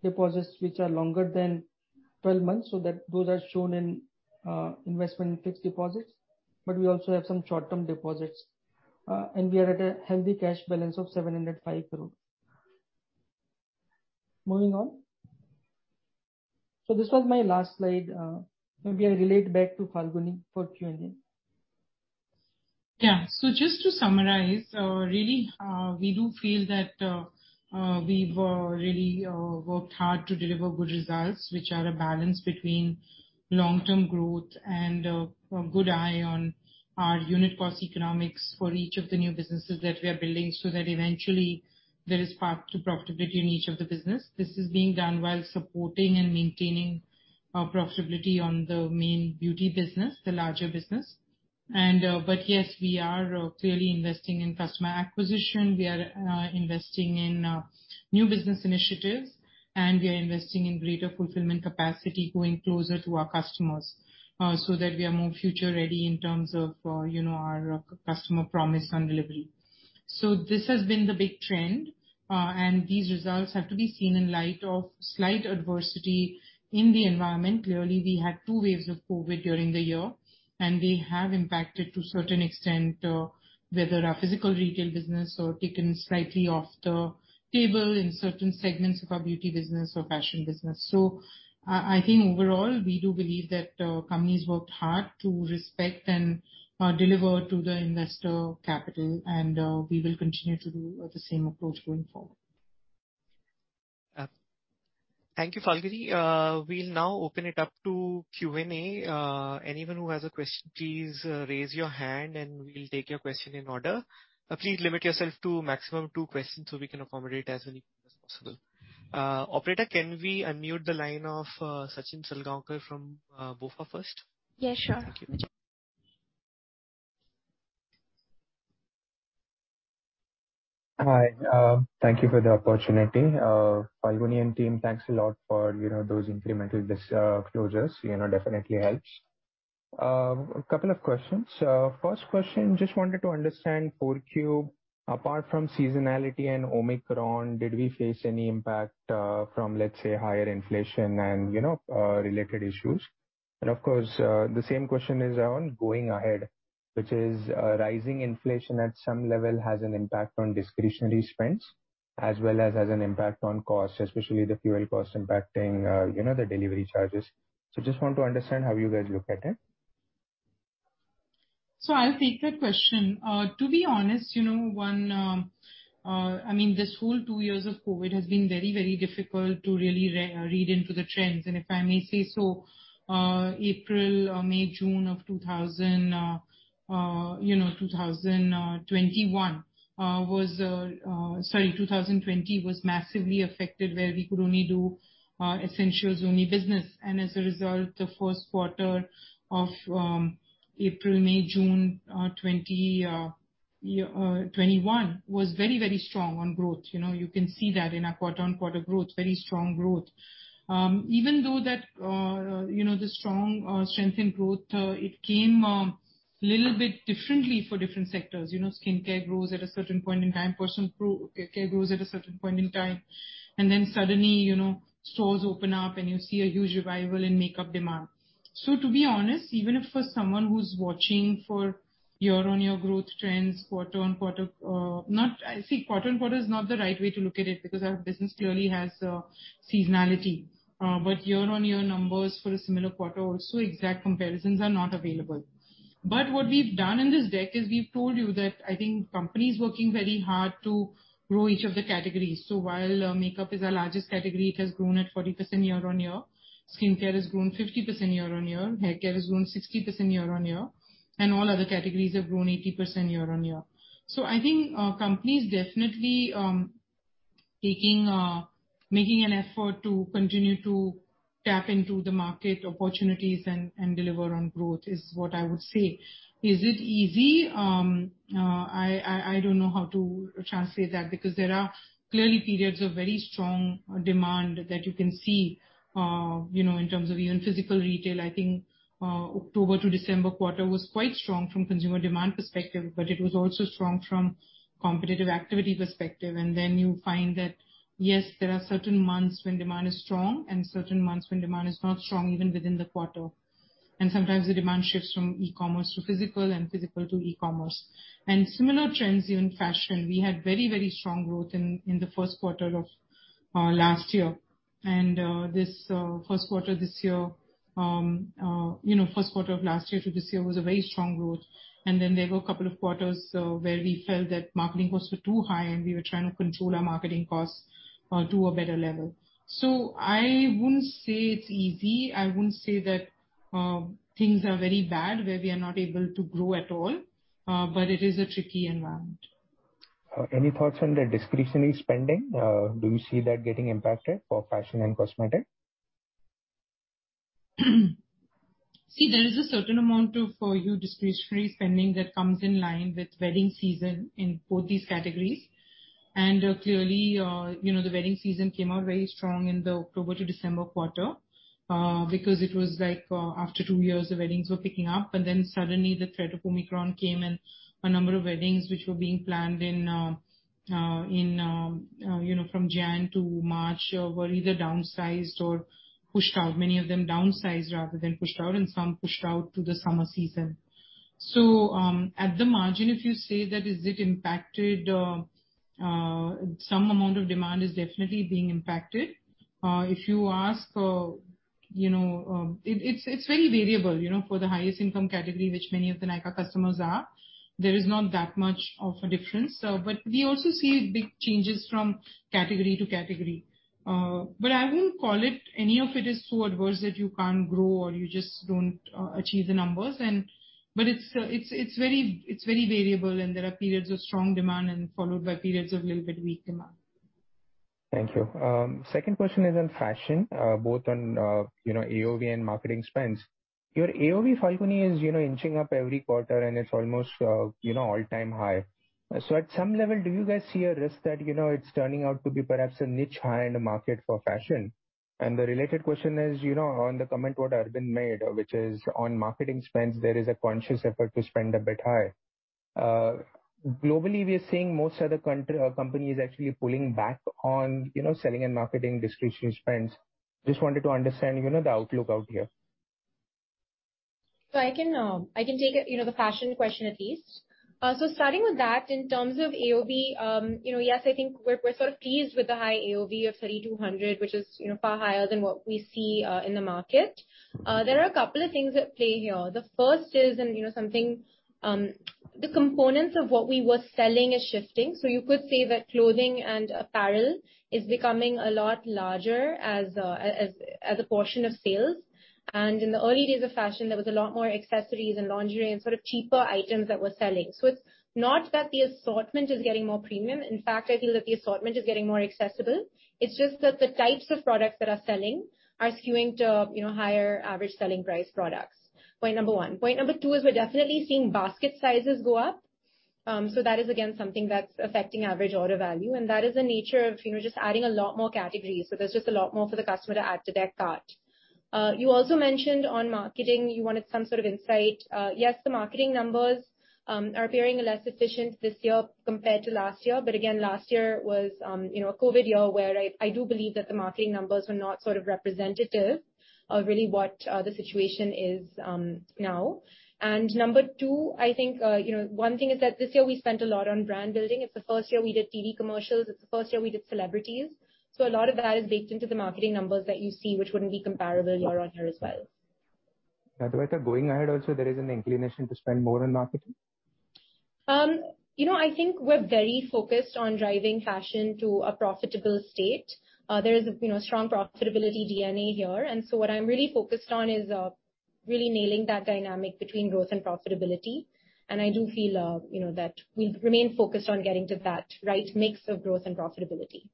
deposits which are longer than twelve months, so that those are shown in investment in fixed deposits. But we also have some short-term deposits. We are at a healthy cash balance of 705 crore. Moving on. This was my last slide. Maybe I'll relate back to Falguni for Q&A. Yeah. Just to summarize, really, we do feel that we've really worked hard to deliver good results, which are a balance between long-term growth and a good eye on our unit cost economics for each of the new businesses that we are building, so that eventually there is path to profitability in each of the business. This is being done while supporting and maintaining our profitability on the main beauty business, the larger business. Yes, we are clearly investing in customer acquisition. We are investing in new business initiatives, and we are investing in greater fulfillment capacity, going closer to our customers, so that we are more future ready in terms of, you know, our customer promise and delivery. This has been the big trend, and these results have to be seen in light of slight adversity in the environment. Clearly, we had two waves of COVID during the year, and they have impacted to certain extent whether our physical retail business or taken slightly off the table in certain segments of our beauty business or fashion business. I think overall, we do believe that company's worked hard to preserve and deliver to the investor capital, and we will continue to do the same approach going forward. Thank you, Falguni. We'll now open it up to Q&A. Anyone who has a question, please raise your hand and we'll take your question in order. Please limit yourself to maximum two questions so we can accommodate as many as possible. Operator, can we unmute the line of Sachin Salgaonkar from BofA first? Yes, sure. Thank you. Hi. Thank you for the opportunity. Falguni and team, thanks a lot for, you know, those incremental disclosures. You know, definitely helps. A couple of questions. First question, just wanted to understand 4Q. Apart from seasonality and Omicron, did we face any impact from, let's say, higher inflation and, you know, related issues? And of course, the same question is around going ahead, which is, rising inflation at some level has an impact on discretionary spends as well as has an impact on costs, especially the fuel cost impacting, you know, the delivery charges. Just want to understand how you guys look at it. I'll take that question. To be honest, you know, I mean, this whole two years of COVID has been very, very difficult to really re-read into the trends. If I may say so, April or May, June of 2020 was massively affected, where we could only do essentials only business. As a result, the first quarter of April, May, June, 2021 was very, very strong on growth. You know, you can see that in our quarter on quarter growth, very strong growth. Even though that, you know, the strong strength in growth it came little bit differently for different sectors. You know, skincare grows at a certain point in time. Personal care grows at a certain point in time. Then suddenly, you know, stores open up and you see a huge revival in makeup demand. To be honest, even if for someone who's watching for year-on-year growth trends, quarter on quarter, I think quarter on quarter is not the right way to look at it because our business clearly has seasonality. Year-on-year numbers for a similar quarter also, exact comparisons are not available. What we've done in this deck is we've told you that, I think, the company's working very hard to grow each of the categories. While makeup is our largest category, it has grown at 40% year-on-year. Skincare has grown 50% year-on-year. Haircare has grown 60% year-on-year. All other categories have grown 80% year-on-year. So I think, company's definitely, taking, making an effort to continue to tap into the market opportunities and deliver on growth, is what I would say. Is it easy? I don't know how to translate that because there are clearly periods of very strong demand that you can see, you know, in terms of even physical retail. I think, October to December quarter was quite strong from consumer demand perspective, but it was also strong from competitive activity perspective. Then you find that, yes, there are certain months when demand is strong and certain months when demand is not strong, even within the quarter. Sometimes the demand shifts from e-commerce to physical and physical to e-commerce. Similar trends, even fashion. We had very, very strong growth in the first quarter of last year. This first quarter this year, you know, first quarter of last year to this year was a very strong growth. Then there were a couple of quarters where we felt that marketing costs were too high and we were trying to control our marketing costs to a better level. I wouldn't say it's easy. I wouldn't say that things are very bad where we are not able to grow at all, but it is a tricky environment. Any thoughts on the discretionary spending? Do you see that getting impacted for fashion and cosmetics? See, there is a certain amount of your discretionary spending that comes in line with wedding season in both these categories. Clearly, you know, the wedding season came out very strong in the October to December quarter. Because it was like, after two years the weddings were picking up and then suddenly the threat of Omicron came and a number of weddings which were being planned in, you know, from Jan to March were either downsized or pushed out. Many of them downsized rather than pushed out and some pushed out to the summer season. At the margin, if you say that is it impacted, some amount of demand is definitely being impacted. If you ask, you know, it's very variable, you know, for the highest income category which many of the Nykaa customers are. There is not that much of a difference. We also see big changes from category to category. I wouldn't call it any of it is so adverse that you can't grow or you just don't achieve the numbers. It's very variable and there are periods of strong demand followed by periods of little bit weak demand. Thank you. Second question is on fashion, both on, you know, AOV and marketing spends. Your AOV, Falguni, is, you know, inching up every quarter and it's almost, you know, all-time high. At some level do you guys see a risk that, you know, it's turning out to be perhaps a niche high-end market for fashion? The related question is, you know, on the comment what Arvind made, which is on marketing spends there is a conscious effort to spend a bit high. Globally we are seeing most other companies actually pulling back on, you know, selling and marketing discretionary spends. Just wanted to understand, you know, the outlook out here. I can take it, you know, the fashion question at least. Starting with that in terms of AOV, you know, yes, I think we're pleased with the high AOV of 3,200 which is, you know, far higher than what we see in the market. There are a couple of things at play here. The first is, and you know something, the components of what we were selling is shifting. You could say that clothing and apparel is becoming a lot larger as a portion of sales. In the early days of fashion there was a lot more accessories and lingerie and sort of cheaper items that were selling. It's not that the assortment is getting more premium. In fact, I feel that the assortment is getting more accessible. It's just that the types of products that are selling are skewing to, you know, higher average selling price products. Point number one. Point number two is we're definitely seeing basket sizes go up. That is again something that's affecting average order value and that is the nature of, you know, just adding a lot more categories. There's just a lot more for the customer to add to their cart. You also mentioned on marketing you wanted some sort of insight. Yes, the marketing numbers are appearing less efficient this year compared to last year. Again last year was, you know, a COVID year where I do believe that the marketing numbers were not sort of representative of really what the situation is, now. Number two, I think, one thing is that this year we spent a lot on brand building. It's the first year we did TV commercials. It's the first year we did celebrities. A lot of that is baked into the marketing numbers that you see which wouldn't be comparable year-on-year as well. Going ahead also there is an inclination to spend more on marketing? You know, I think we're very focused on driving fashion to a profitable state. There is, you know, strong profitability DNA here. What I'm really focused on is really nailing that dynamic between growth and profitability. I do feel, you know, that we remain focused on getting to that right mix of growth and profitability.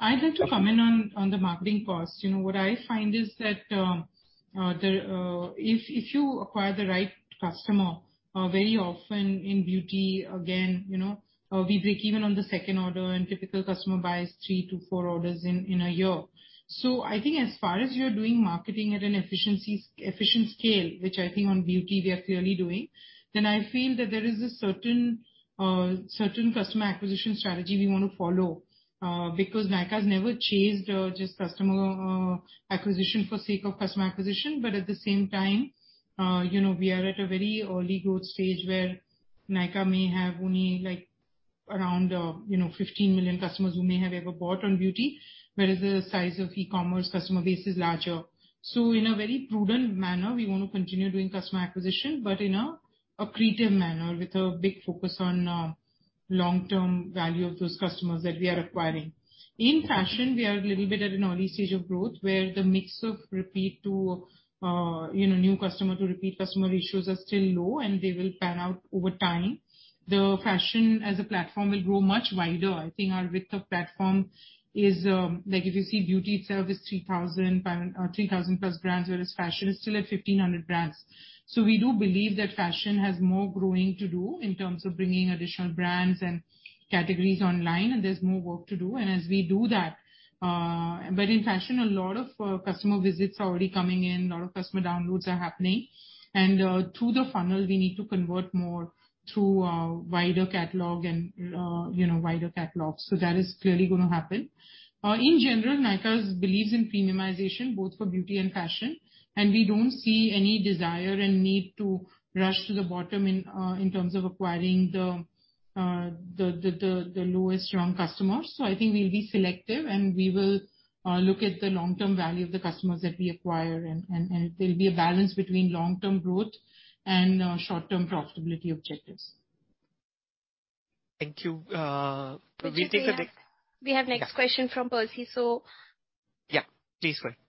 I'd like to comment on the marketing costs. You know, what I find is that if you acquire the right customer, very often in beauty, again, you know, we break even on the second order, and typical customer buys three to four orders in a year. I think as far as you're doing marketing at an efficient scale, which I think on beauty we are clearly doing, then I feel that there is a certain customer acquisition strategy we wanna follow. Because Nykaa's never chased just customer acquisition for sake of customer acquisition. At the same time, you know, we are at a very early growth stage where Nykaa may have only, like, around, you know, 15 million customers who may have ever bought on beauty, whereas the size of e-commerce customer base is larger. So in a very prudent manner, we want to continue doing customer acquisition, but in an accretive manner, with a big focus on, long-term value of those customers that we are acquiring. In fashion, we are a little bit at an early stage of growth, where the mix of repeat to, you know, new customer to repeat customer ratios are still low, and they will pan out over time. The fashion as a platform will grow much wider. I think our width of platform is. Like, if you see beauty itself is 3,000+ brands, whereas fashion is still at 1,500 brands. We do believe that fashion has more growing to do in terms of bringing additional brands and categories online, and there's more work to do. As we do that, in fashion, a lot of customer visits are already coming in, a lot of customer downloads are happening. Through the funnel, we need to convert more through our wider catalog, you know. That is clearly gonna happen. In general, Nykaa believes in premiumization both for beauty and fashion, and we don't see any desire and need to rush to the bottom in terms of acquiring the lowest rung customers. I think we'll be selective, and we will look at the long-term value of the customers that we acquire. There'll be a balance between long-term growth and short-term profitability objectives. Thank you. We take the next. Vijit, we have next question from Percy, so. Yeah. Please go ahead.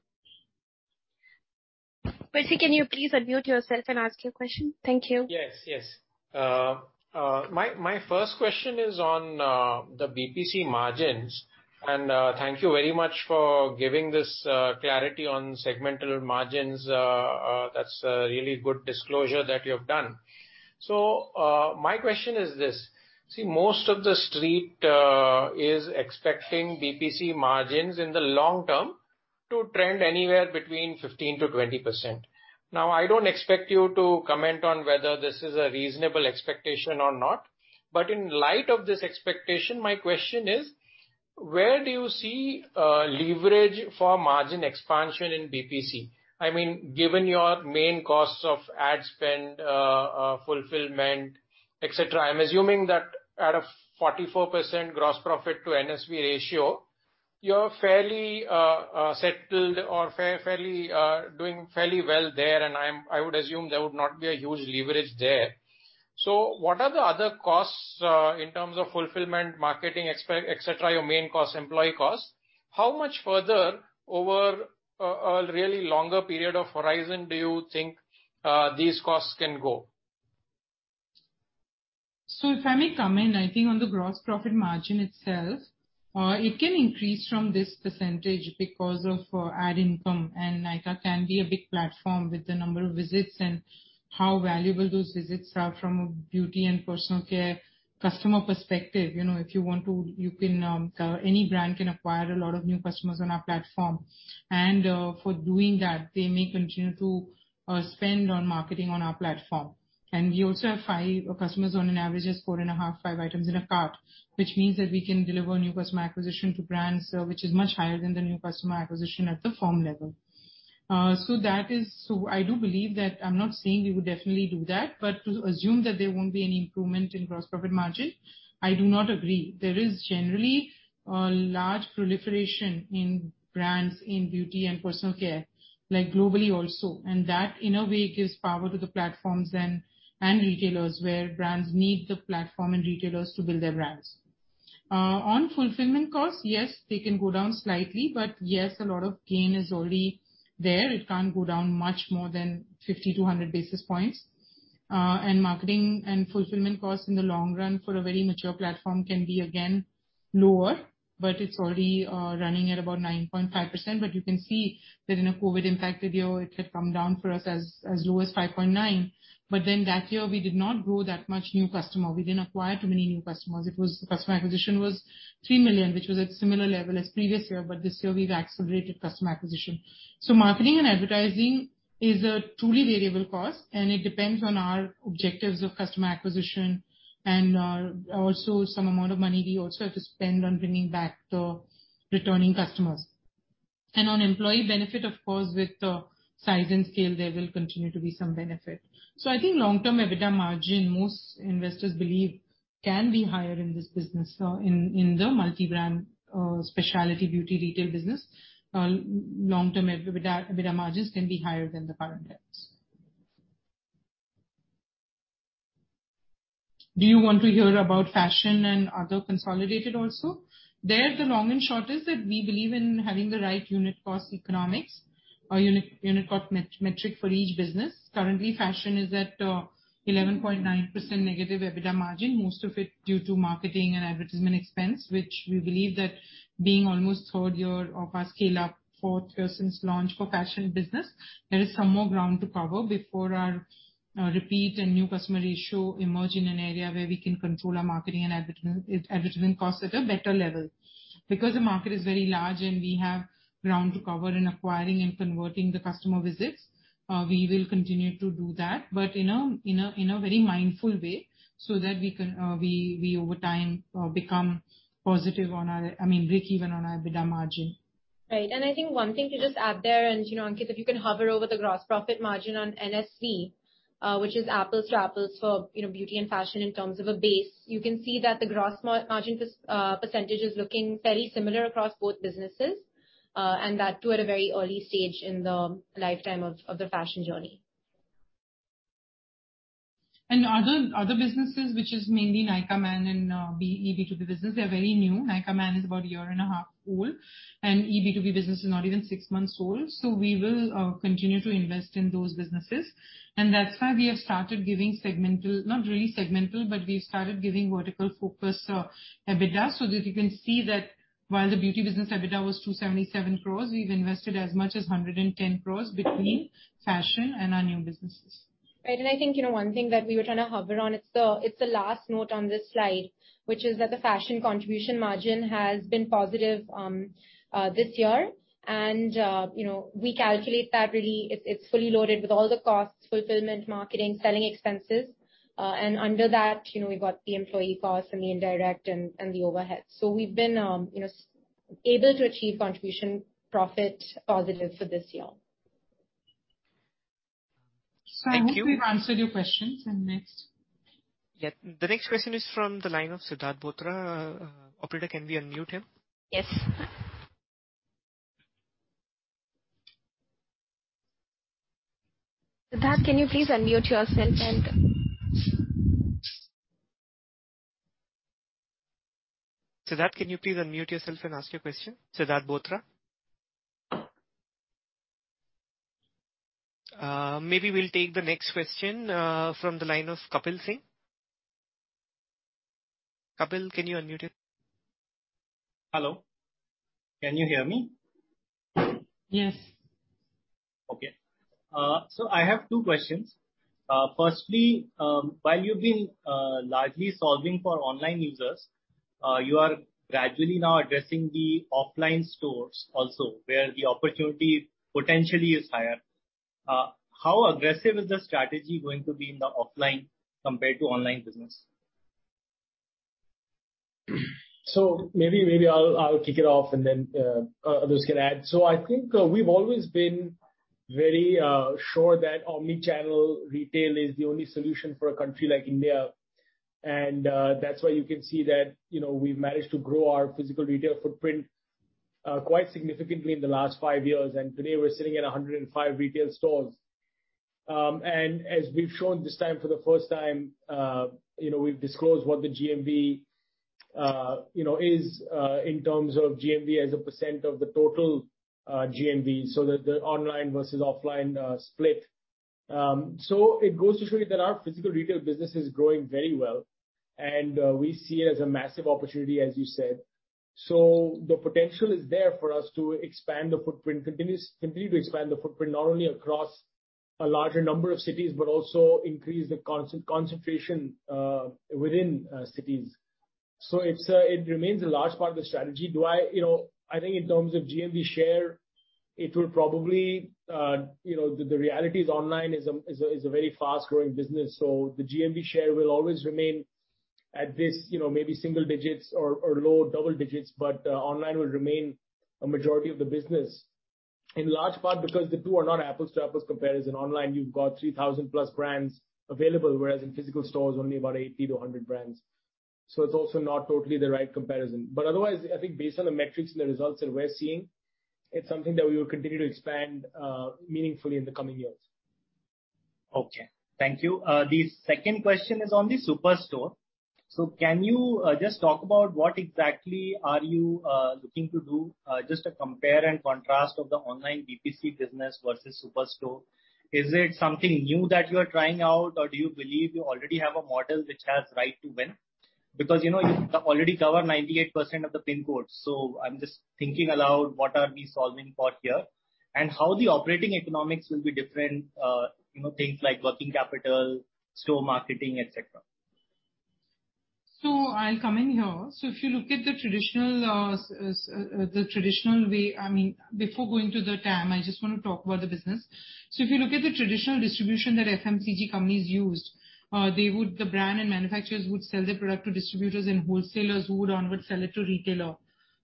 Percy, can you please unmute yourself and ask your question? Thank you. Yes. My first question is on the BPC margins. Thank you very much for giving this clarity on segmental margins. That's a really good disclosure that you have done. My question is this. See, most of the Street is expecting BPC margins in the long term to trend anywhere between 15%-20%. Now, I don't expect you to comment on whether this is a reasonable expectation or not, but in light of this expectation, my question is: Where do you see leverage for margin expansion in BPC? I mean, given your main costs of ad spend, fulfillment, et cetera, I'm assuming that at a 44% gross profit to NSV ratio, you're fairly settled or fairly doing fairly well there, and I would assume there would not be a huge leverage there. What are the other costs in terms of fulfillment, marketing expenses, et cetera, your main costs, employee costs? How much further over a really longer period of horizon do you think these costs can go? If I may come in, I think on the gross profit margin itself, it can increase from this percentage because of ad income, and Nykaa can be a big platform with the number of visits and how valuable those visits are from a beauty and personal care customer perspective. You know, any brand can acquire a lot of new customers on our platform. For doing that, they may continue to spend on marketing on our platform. We also have customers on average has four and a half and five items in a cart, which means that we can deliver new customer acquisition to brands, which is much higher than the new customer acquisition at the firm level. I do believe that. I'm not saying we would definitely do that, but to assume that there won't be any improvement in gross profit margin, I do not agree. There is generally a large proliferation in brands in beauty and personal care, like globally also, and that in a way gives power to the platforms and retailers, where brands need the platform and retailers to build their brands. On fulfillment costs, yes, they can go down slightly, but yes, a lot of gain is already there. It can't go down much more than 50-100 basis points. Marketing and fulfillment costs in the long run for a very mature platform can be again lower, but it's already running at about 9.5%. You can see that in a COVID-impacted year it had come down for us as low as 5.9%. That year we did not grow that much new customer. We didn't acquire too many new customers. The customer acquisition was 3 million, which was at similar level as previous year, but this year we've accelerated customer acquisition. Marketing and advertising is a truly variable cost, and it depends on our objectives of customer acquisition and also some amount of money we also have to spend on bringing back the returning customers. On employee benefit, of course, with the size and scale, there will continue to be some benefit. I think long-term EBITDA margin, most investors believe can be higher in this business, in the multi-brand specialty beauty retail business. Long-term EBITDA margins can be higher than the current EBITDA. Do you want to hear about fashion and other consolidated also? The long and short is that we believe in having the right unit cost economics or unit cost metric for each business. Currently, fashion is at 11.9% negative EBITDA margin, most of it due to marketing and advertisement expense, which we believe that being almost third year of our scale-up, fourth year since launch for fashion business, there is some more ground to cover before our repeat and new customer ratio emerge in an area where we can control our marketing and advertisement costs at a better level. Because the market is very large and we have ground to cover in acquiring and converting the customer visits, we will continue to do that. In a very mindful way, so that we can, we over time, become positive on our. I mean, break even on EBITDA margin. Right. I think one thing to just add there, you know, Ankita, if you can hover over the gross profit margin on NSC, which is apples to apples for, you know, beauty and fashion in terms of a base, you can see that the gross margin percentage is looking very similar across both businesses. That too at a very early stage in the lifetime of the fashion journey. Other businesses, which is mainly Nykaa Man and EB2B business, they are very new. Nykaa Man is about a year and a half old, and EB2B business is not even six months old. We will continue to invest in those businesses. That's why we have started giving segmental, not really segmental, but we've started giving vertical focus EBITDA, so that you can see that while the beauty business EBITDA was 277 crores, we've invested as much as 110 crores between fashion and our new businesses. Right. I think, you know, one thing that we were trying to hover on, it's the last note on this slide, which is that the fashion contribution margin has been positive this year. We calculate that really it's fully loaded with all the costs, fulfillment, marketing, selling expenses. Under that, you know, we've got the employee costs and the indirect and the overhead. We've been able to achieve contribution profit positive for this year. I hope we've answered your questions. Next. Thank you. Yeah. The next question is from the line of Siddharth Bothra. Operator, can we unmute him? Yes. Siddharth, can you please unmute yourself. Siddharth, can you please unmute yourself and ask your question? Siddharth Bothra? Maybe we'll take the next question, from the line of Kapil Singh. Kapil, can you unmute it? Hello. Can you hear me? Yes. Okay. I have two questions. Firstly, while you've been largely solving for online users, you are gradually now addressing the offline stores also, where the opportunity potentially is higher. How aggressive is the strategy going to be in the offline compared to online business? Maybe I'll kick it off and then others can add. I think we've always been very sure that omni-channel retail is the only solution for a country like India. That's why you can see that, you know, we've managed to grow our physical retail footprint quite significantly in the last 5 years, and today we're sitting at 105 retail stores. As we've shown this time for the first time, you know, we've disclosed what the GMV is in terms of GMV as a % of the total GMV, so that the online versus offline split. It goes to show you that our physical retail business is growing very well and we see it as a massive opportunity, as you said. The potential is there for us to expand the footprint, continue to expand the footprint, not only across a larger number of cities, but also increase the concentration within cities. It remains a large part of the strategy. I think in terms of GMV share, it will probably, the reality is online is a very fast growing business, so the GMV share will always remain at this, maybe single digits or low double digits. Online will remain a majority of the business, in large part because the two are not apples to apples comparison. Online you've got 3,000+ brands available, whereas in physical stores only about 80-100 brands. It's also not totally the right comparison. Otherwise, I think based on the metrics and the results that we're seeing, it's something that we will continue to expand meaningfully in the coming years. Okay. Thank you. The second question is on the Superstore. Can you just talk about what exactly are you looking to do? Just a compare and contrast of the online BPC business versus Superstore. Is it something new that you are trying out or do you believe you already have a model which has right to win? Because, you know, you've already covered 98% of the PIN codes. I'm just thinking aloud, what are we solving for here? How the operating economics will be different, you know, things like working capital, store marketing, et cetera. I'll come in here. If you look at the traditional, the traditional way. I mean, before going to the TAM, I just want to talk about the business. If you look at the traditional distribution that FMCG companies use, they would the brand and manufacturers would sell their product to distributors and wholesalers who would onward sell it to retailer.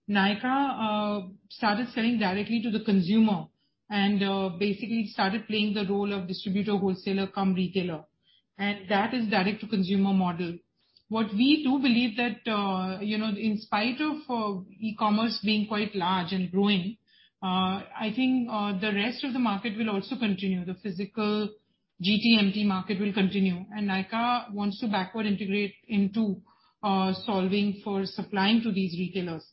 Nykaa started selling directly to the consumer and basically started playing the role of distributor, wholesaler cum retailer, and that is direct to consumer model. What we do believe that, you know, in spite of e-commerce being quite large and growing, I think the rest of the market will also continue. The physical GTMT market will continue, and Nykaa wants to backward integrate into solving for supplying to these retailers.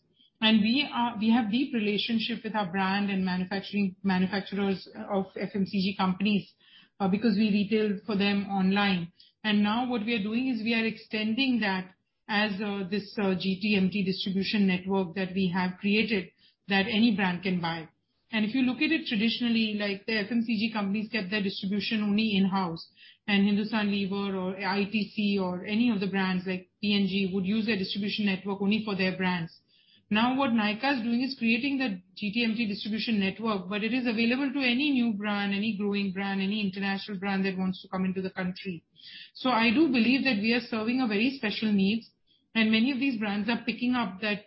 We have deep relationship with our brands and manufacturers of FMCG companies, because we retail for them online. Now what we are doing is we are extending that as this GTMT distribution network that we have created that any brand can buy. If you look at it traditionally, like the FMCG companies kept their distribution only in-house, and Hindustan Unilever or ITC or any of the brands like P&G would use their distribution network only for their brands. Now what Nykaa is doing is creating the GTMT distribution network, but it is available to any new brand, any growing brand, any international brand that wants to come into the country. I do believe that we are serving a very special needs, and many of these brands are picking up that,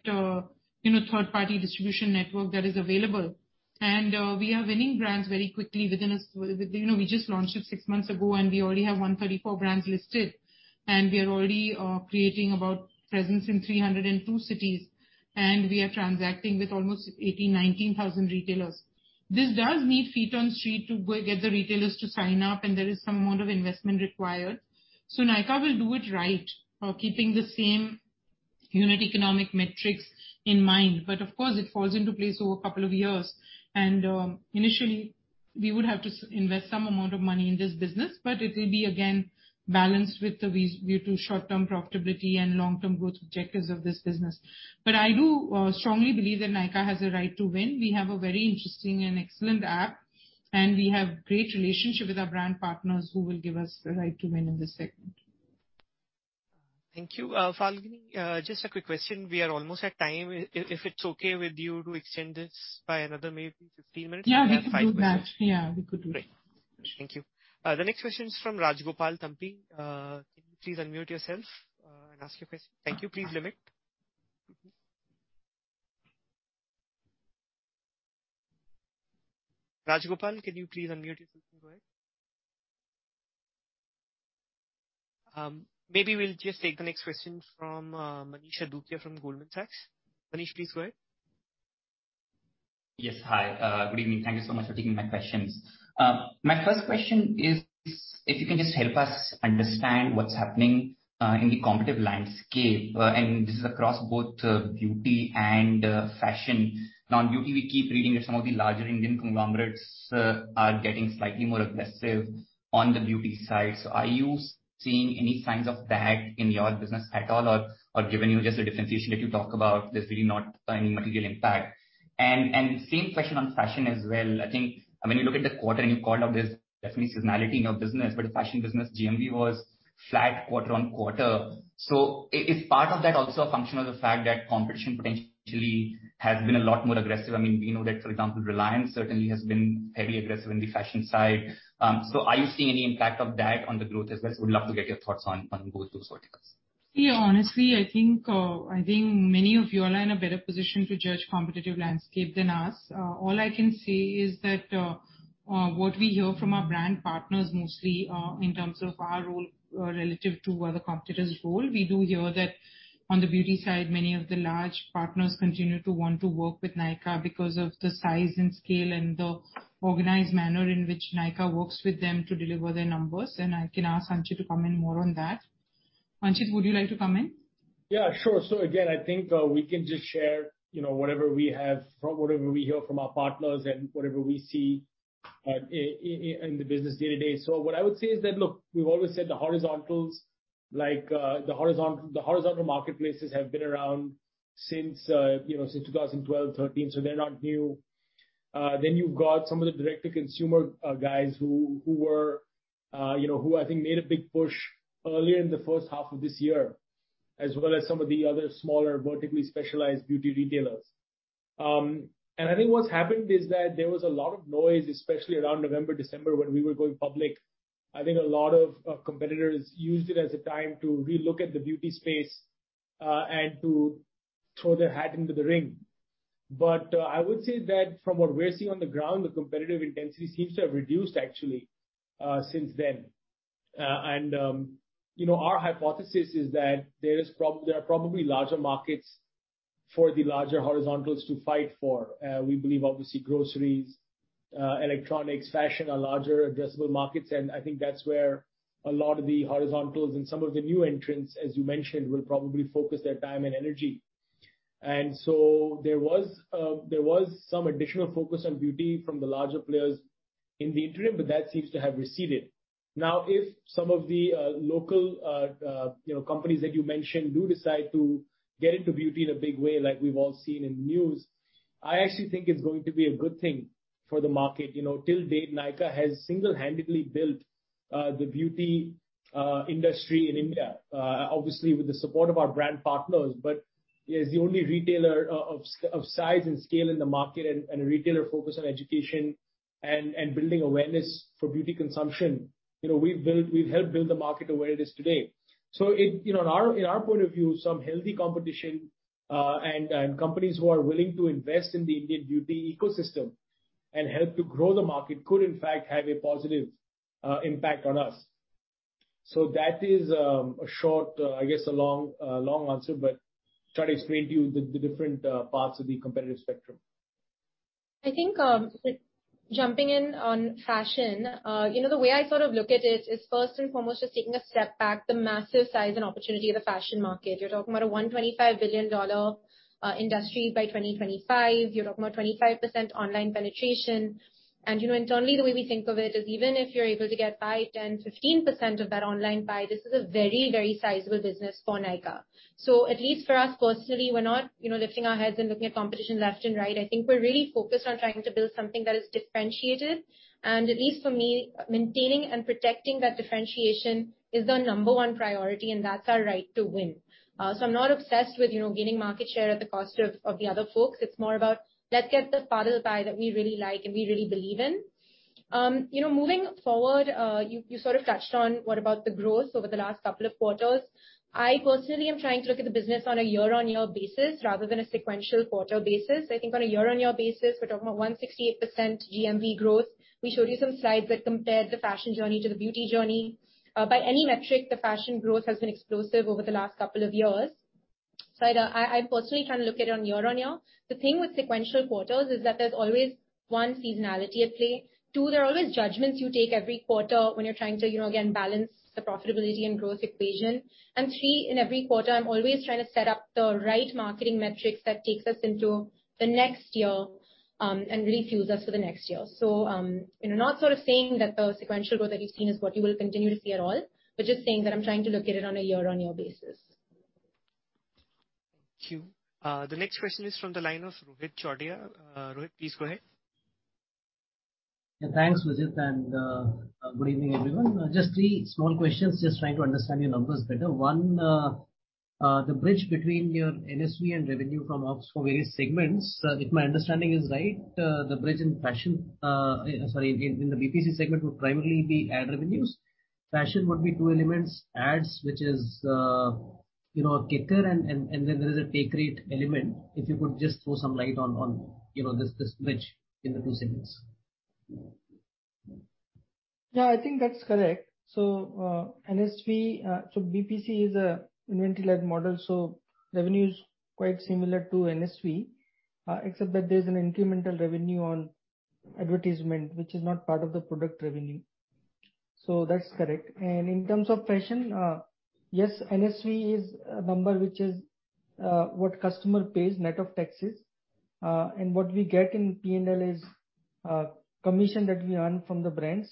you know, third-party distribution network that is available. We are winning brands very quickly, you know, we just launched it six months ago, and we already have 134 brands listed, and we are already creating a presence in 302 cities, and we are transacting with almost 81,900 retailers. This does need feet on the street to get the retailers to sign up, and there is some amount of investment required. Nykaa will do it right, keeping the same unit economic metrics in mind. Of course it falls into place over a couple of years. Initially we would have to invest some amount of money in this business, but it will be again balanced with the view to short-term profitability and long-term growth objectives of this business. I do strongly believe that Nykaa has a right to win. We have a very interesting and excellent app, and we have great relationship with our brand partners who will give us the right to win in this segment. Thank you. Falguni, just a quick question. We are almost at time. If it's okay with you to extend this by another maybe 15 minutes. Yeah, we can do that. I have five questions. Yeah, we could do that. Great. Thank you. The next question is from Raj Gopal Thampi. Can you please unmute yourself and ask your question? Thank you. Please limit. Raj Gopal, can you please unmute yourself and go ahead. Maybe we'll just take the next question from Manish Adukia from Goldman Sachs. Manish, please go ahead. Yes. Hi. Good evening. Thank you so much for taking my questions. My first question is if you can just help us understand what's happening in the competitive landscape, and this is across both beauty and fashion. Now, in beauty we keep reading that some of the larger Indian conglomerates are getting slightly more aggressive on the beauty side. So are you seeing any signs of that in your business at all, or given you just the differentiation that you talk about, there's really not any material impact. Same question on fashion as well. I think when you look at the quarter and you call out this definite seasonality in your business, but fashion business GMV was flat quarter-over-quarter. Is part of that also a function of the fact that competition potentially has been a lot more aggressive? I mean, we know that, for example, Reliance certainly has been very aggressive in the fashion side. Are you seeing any impact of that on the growth as well? Would love to get your thoughts on both those verticals. Yeah. Honestly, I think many of you all are in a better position to judge competitive landscape than us. All I can say is that what we hear from our brand partners mostly, in terms of our role, relative to other competitors' role, we do hear that on the beauty side, many of the large partners continue to want to work with Nykaa because of the size and scale and the organized manner in which Nykaa works with them to deliver their numbers. I can ask Anchit to comment more on that. Anchit, would you like to comment? Yeah, sure. Again, I think we can just share, you know, whatever we have from whatever we hear from our partners and whatever we see in the business day to day. What I would say is that, look, we've always said the horizontals, like, the horizontal marketplaces have been around since, you know, since 2012, 2013, so they're not new. Then you've got some of the direct to consumer guys who were, you know, who I think made a big push earlier in the first half of this year, as well as some of the other smaller, vertically specialized beauty retailers. I think what's happened is that there was a lot of noise, especially around November, December, when we were going public. I think a lot of competitors used it as a time to relook at the beauty space, and to throw their hat into the ring. I would say that from what we're seeing on the ground, the competitive intensity seems to have reduced actually, since then. You know, our hypothesis is that there are probably larger markets for the larger horizontals to fight for. We believe obviously groceries, electronics, fashion are larger addressable markets, and I think that's where a lot of the horizontals and some of the new entrants, as you mentioned, will probably focus their time and energy. There was some additional focus on beauty from the larger players in the interim, but that seems to have receded. Now, if some of the local, you know, companies that you mentioned do decide to get into beauty in a big way like we've all seen in the news, I actually think it's going to be a good thing for the market. You know, till date, Nykaa has single-handedly built the beauty industry in India, obviously with the support of our brand partners. It's the only retailer of size and scale in the market and retailer focused on education and building awareness for beauty consumption. You know, we've helped build the market to where it is today. It, you know, in our point of view, some healthy competition, and companies who are willing to invest in the Indian beauty ecosystem and help to grow the market could in fact have a positive impact on us. That is a short, I guess a long answer, but try to explain to you the different parts of the competitive spectrum. I think, jumping in on fashion, you know, the way I sort of look at it is first and foremost just taking a step back, the massive size and opportunity of the fashion market. You're talking about a $125 billion industry by 2025. You're talking about 25% online penetration. You know, internally, the way we think of it is even if you're able to get five, 10, 15% of that online pie, this is a very, very sizable business for Nykaa. At least for us personally, we're not, you know, lifting our heads and looking at competition left and right. I think we're really focused on trying to build something that is differentiated. At least for me, maintaining and protecting that differentiation is the number one priority, and that's our right to win. I'm not obsessed with, you know, gaining market share at the cost of the other folks. It's more about let's get the part of the pie that we really like and we really believe in. You know, moving forward, you sort of touched on what about the growth over the last couple of quarters. I personally am trying to look at the business on a year-on-year basis rather than a sequential quarter basis. I think on a year-on-year basis, we're talking about 168% GMV growth. We showed you some slides that compared the fashion journey to the beauty journey. By any metric, the fashion growth has been explosive over the last couple of years. I personally kind of look at it on year-on-year. The thing with sequential quarters is that there's always one seasonality at play. Two, there are always judgments you take every quarter when you're trying to, you know, again, balance the profitability and growth equation. Three, in every quarter, I'm always trying to set up the right marketing metrics that takes us into the next year, and refuels us for the next year. You know, not sort of saying that the sequential growth that you've seen is what you will continue to see at all, but just saying that I'm trying to look at it on a year-on-year basis. Thank you. The next question is from the line of Rohit Chordia. Rohit, please go ahead. Yeah, thanks, Vijit, and good evening, everyone. Just three small questions, just trying to understand your numbers better. One, the bridge between your NSV and revenue from ops for various segments. If my understanding is right, the bridge in fashion, sorry, in the BPC segment would primarily be ad revenues. Fashion would be two elements, ads, which is, you know, a kicker and then there is a take rate element. If you could just throw some light on, you know, this bridge in the two segments. Yeah, I think that's correct. NSV, so BPC is an inventory-led model, so revenue is quite similar to NSV, except that there's an incremental revenue on advertisement which is not part of the product revenue. That's correct. In terms of fashion, yes, NSV is a number which is, what customer pays net of taxes. What we get in P&L is, commission that we earn from the brands,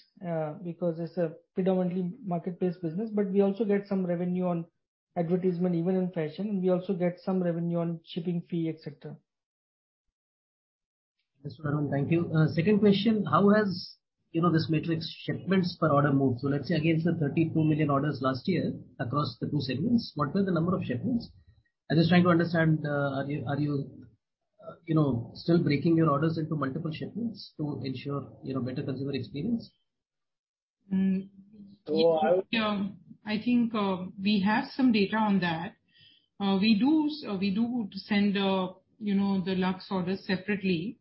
because it's a predominantly market-based business. We also get some revenue on advertisement, even in fashion. We also get some revenue on shipping fee, et cetera. That's what I want. Thank you. Second question, how has, you know, this metrics shipments per order moved? Let's say against the 32 million orders last year across the two segments, what were the number of shipments? I'm just trying to understand, are you know, still breaking your orders into multiple shipments to ensure, you know, better consumer experience? I would. I think we have some data on that. We do send, you know, the lux orders separately.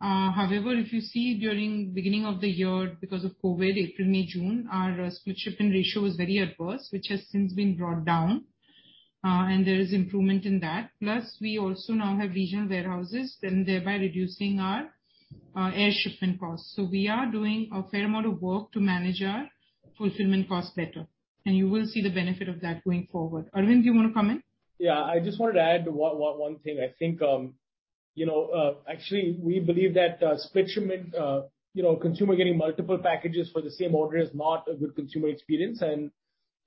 However, if you see during beginning of the year, because of COVID, April, May, June, our split shipment ratio was very adverse, which has since been brought down. There is improvement in that. Plus, we also now have regional warehouses and thereby reducing our air shipment costs. We are doing a fair amount of work to manage our fulfillment costs better, and you will see the benefit of that going forward. Arvind, do you want to comment? Yeah, I just wanted to add one thing. I think, you know, actually we believe that split shipment, you know, consumer getting multiple packages for the same order is not a good consumer experience.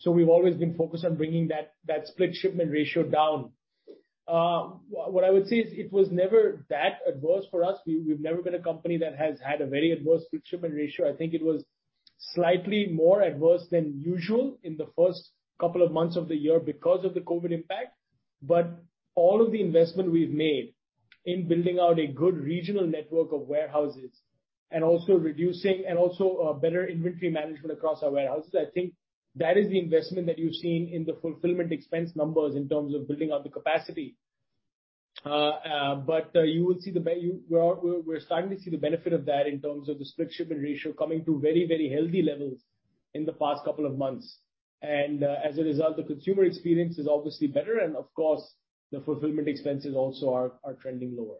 We've always been focused on bringing that split shipment ratio down. What I would say is it was never that adverse for us. We've never been a company that has had a very adverse split shipment ratio. I think it was slightly more adverse than usual in the first couple of months of the year because of the COVID impact. All of the investment we've made in building out a good regional network of warehouses and also reducing Also, better inventory management across our warehouses, I think that is the investment that you've seen in the fulfillment expense numbers in terms of building out the capacity. You will see we're starting to see the benefit of that in terms of the split shipment ratio coming to very, very healthy levels in the past couple of months. As a result, the consumer experience is obviously better, and of course, the fulfillment expenses also are trending lower.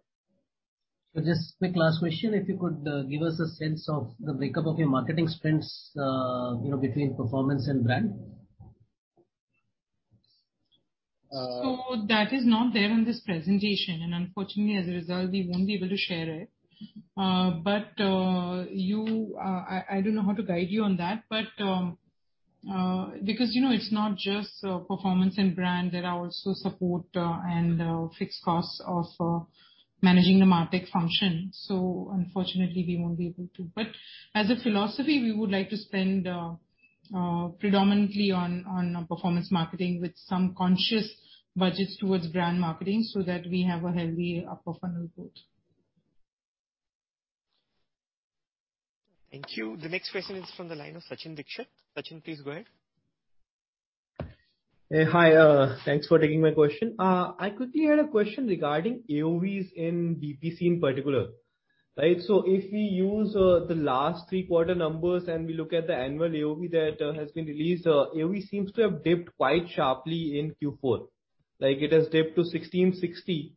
Just quick last question, if you could, give us a sense of the breakdown of your marketing spends, you know, between performance and brand. That is not there in this presentation, and unfortunately, as a result, we won't be able to share it. But I don't know how to guide you on that, but because, you know, it's not just performance and brand. There are also support and fixed costs of managing the MarTech function. Unfortunately, we won't be able to. But as a philosophy, we would like to spend predominantly on our performance marketing with some conscious budgets towards brand marketing so that we have a healthy upper funnel growth. Thank you. The next question is from the line of Sachin Dixit. Sachin, please go ahead. Hey, hi, thanks for taking my question. I quickly had a question regarding AOVs in BPC in particular, right? If we use the last three quarter numbers and we look at the annual AOV that has been released, AOV seems to have dipped quite sharply in Q4. Like it has dipped to 1,660,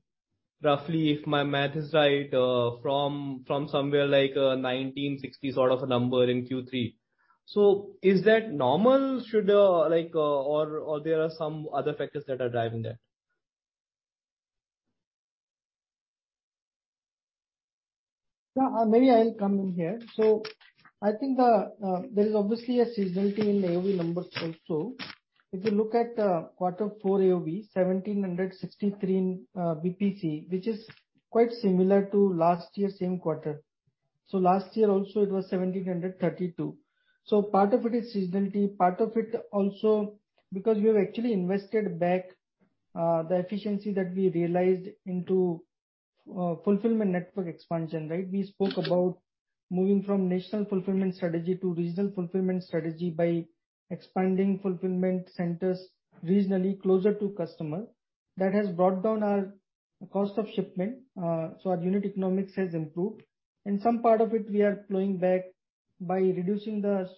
roughly, if my math is right, from somewhere like 1,960 sort of a number in Q3. Is that normal? Or there are some other factors that are driving that? Yeah. Maybe I'll come in here. I think there is obviously a seasonality in AOV numbers also. If you look at quarter four AOV, 1,763 BPC, which is quite similar to last year's same quarter. Last year also it was 1,732. Part of it is seasonality, part of it also because we have actually invested back the efficiency that we realized into fulfillment network expansion, right? We spoke about moving from national fulfillment strategy to regional fulfillment strategy by expanding fulfillment centers regionally closer to customer. That has brought down our cost of shipment, so our unit economics has improved. Some part of it we are plowing back by reducing the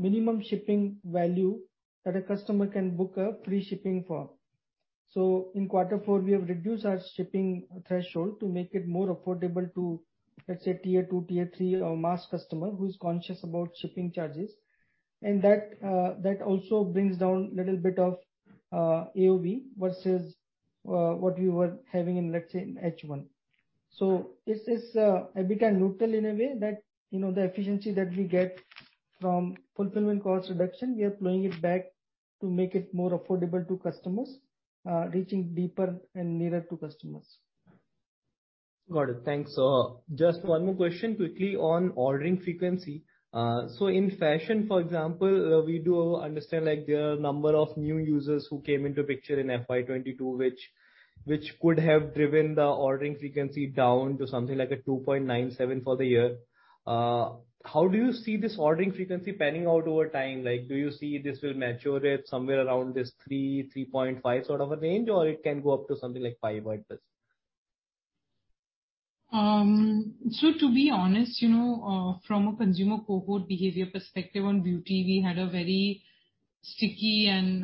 minimum shipping value that a customer can book a free shipping for. In quarter four, we have reduced our shipping threshold to make it more affordable to, let's say tier two, tier three or mass customer who is conscious about shipping charges. That also brings down little bit of AOV versus what we were having in, let's say in H1. This is a bit neutral in a way that, you know, the efficiency that we get from fulfillment cost reduction, we are plowing it back to make it more affordable to customers, reaching deeper and nearer to customers. Got it. Thanks. Just one more question quickly on ordering frequency. So in fashion, for example, we do understand, like, there are number of new users who came into picture in FY 2022 which could have driven the ordering frequency down to something like a 2.97 for the year. How do you see this ordering frequency panning out over time? Like, do you see this will mature at somewhere around this three and three half a year sort of a range, or it can go up to something like 5 like this? To be honest, you know, from a consumer cohort behavior perspective on beauty, we had a very sticky and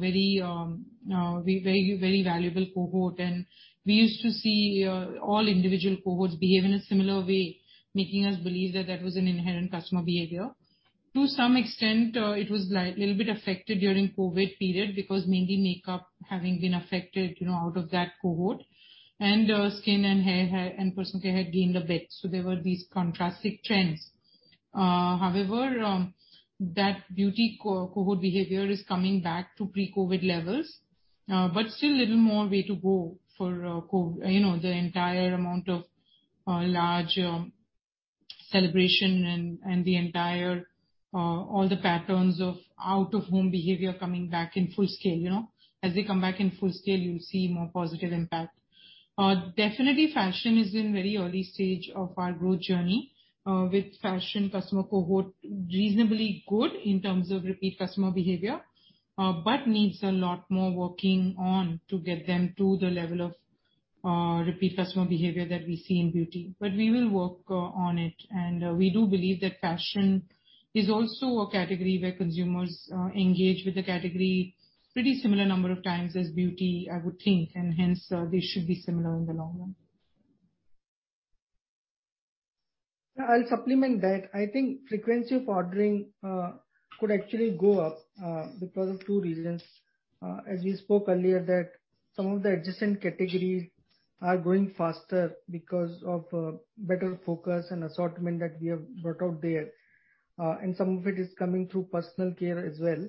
very valuable cohort. We used to see all individual cohorts behave in a similar way, making us believe that that was an inherent customer behavior. To some extent, it was little bit affected during COVID period because mainly makeup having been affected, you know, out of that cohort, and skin and hair and personal care had gained a bit. There were these contrasting trends. However, that beauty cohort behavior is coming back to pre-COVID levels, but still a little more way to go for COVID, you know, the entire amount of large celebration and the entire all the patterns of out-of-home behavior coming back in full scale, you know. As they come back in full scale, you'll see more positive impact. Definitely fashion is in very early stage of our growth journey, with fashion customer cohort reasonably good in terms of repeat customer behavior, but needs a lot more working on to get them to the level of repeat customer behavior that we see in beauty. We will work on it. We do believe that fashion is also a category where consumers engage with the category pretty similar number of times as beauty, I would think, and hence, they should be similar in the long run. I'll supplement that. I think frequency of ordering could actually go up because of two reasons. As we spoke earlier, some of the adjacent categories are growing faster because of better focus and assortment that we have brought out there. And some of it is coming through personal care as well.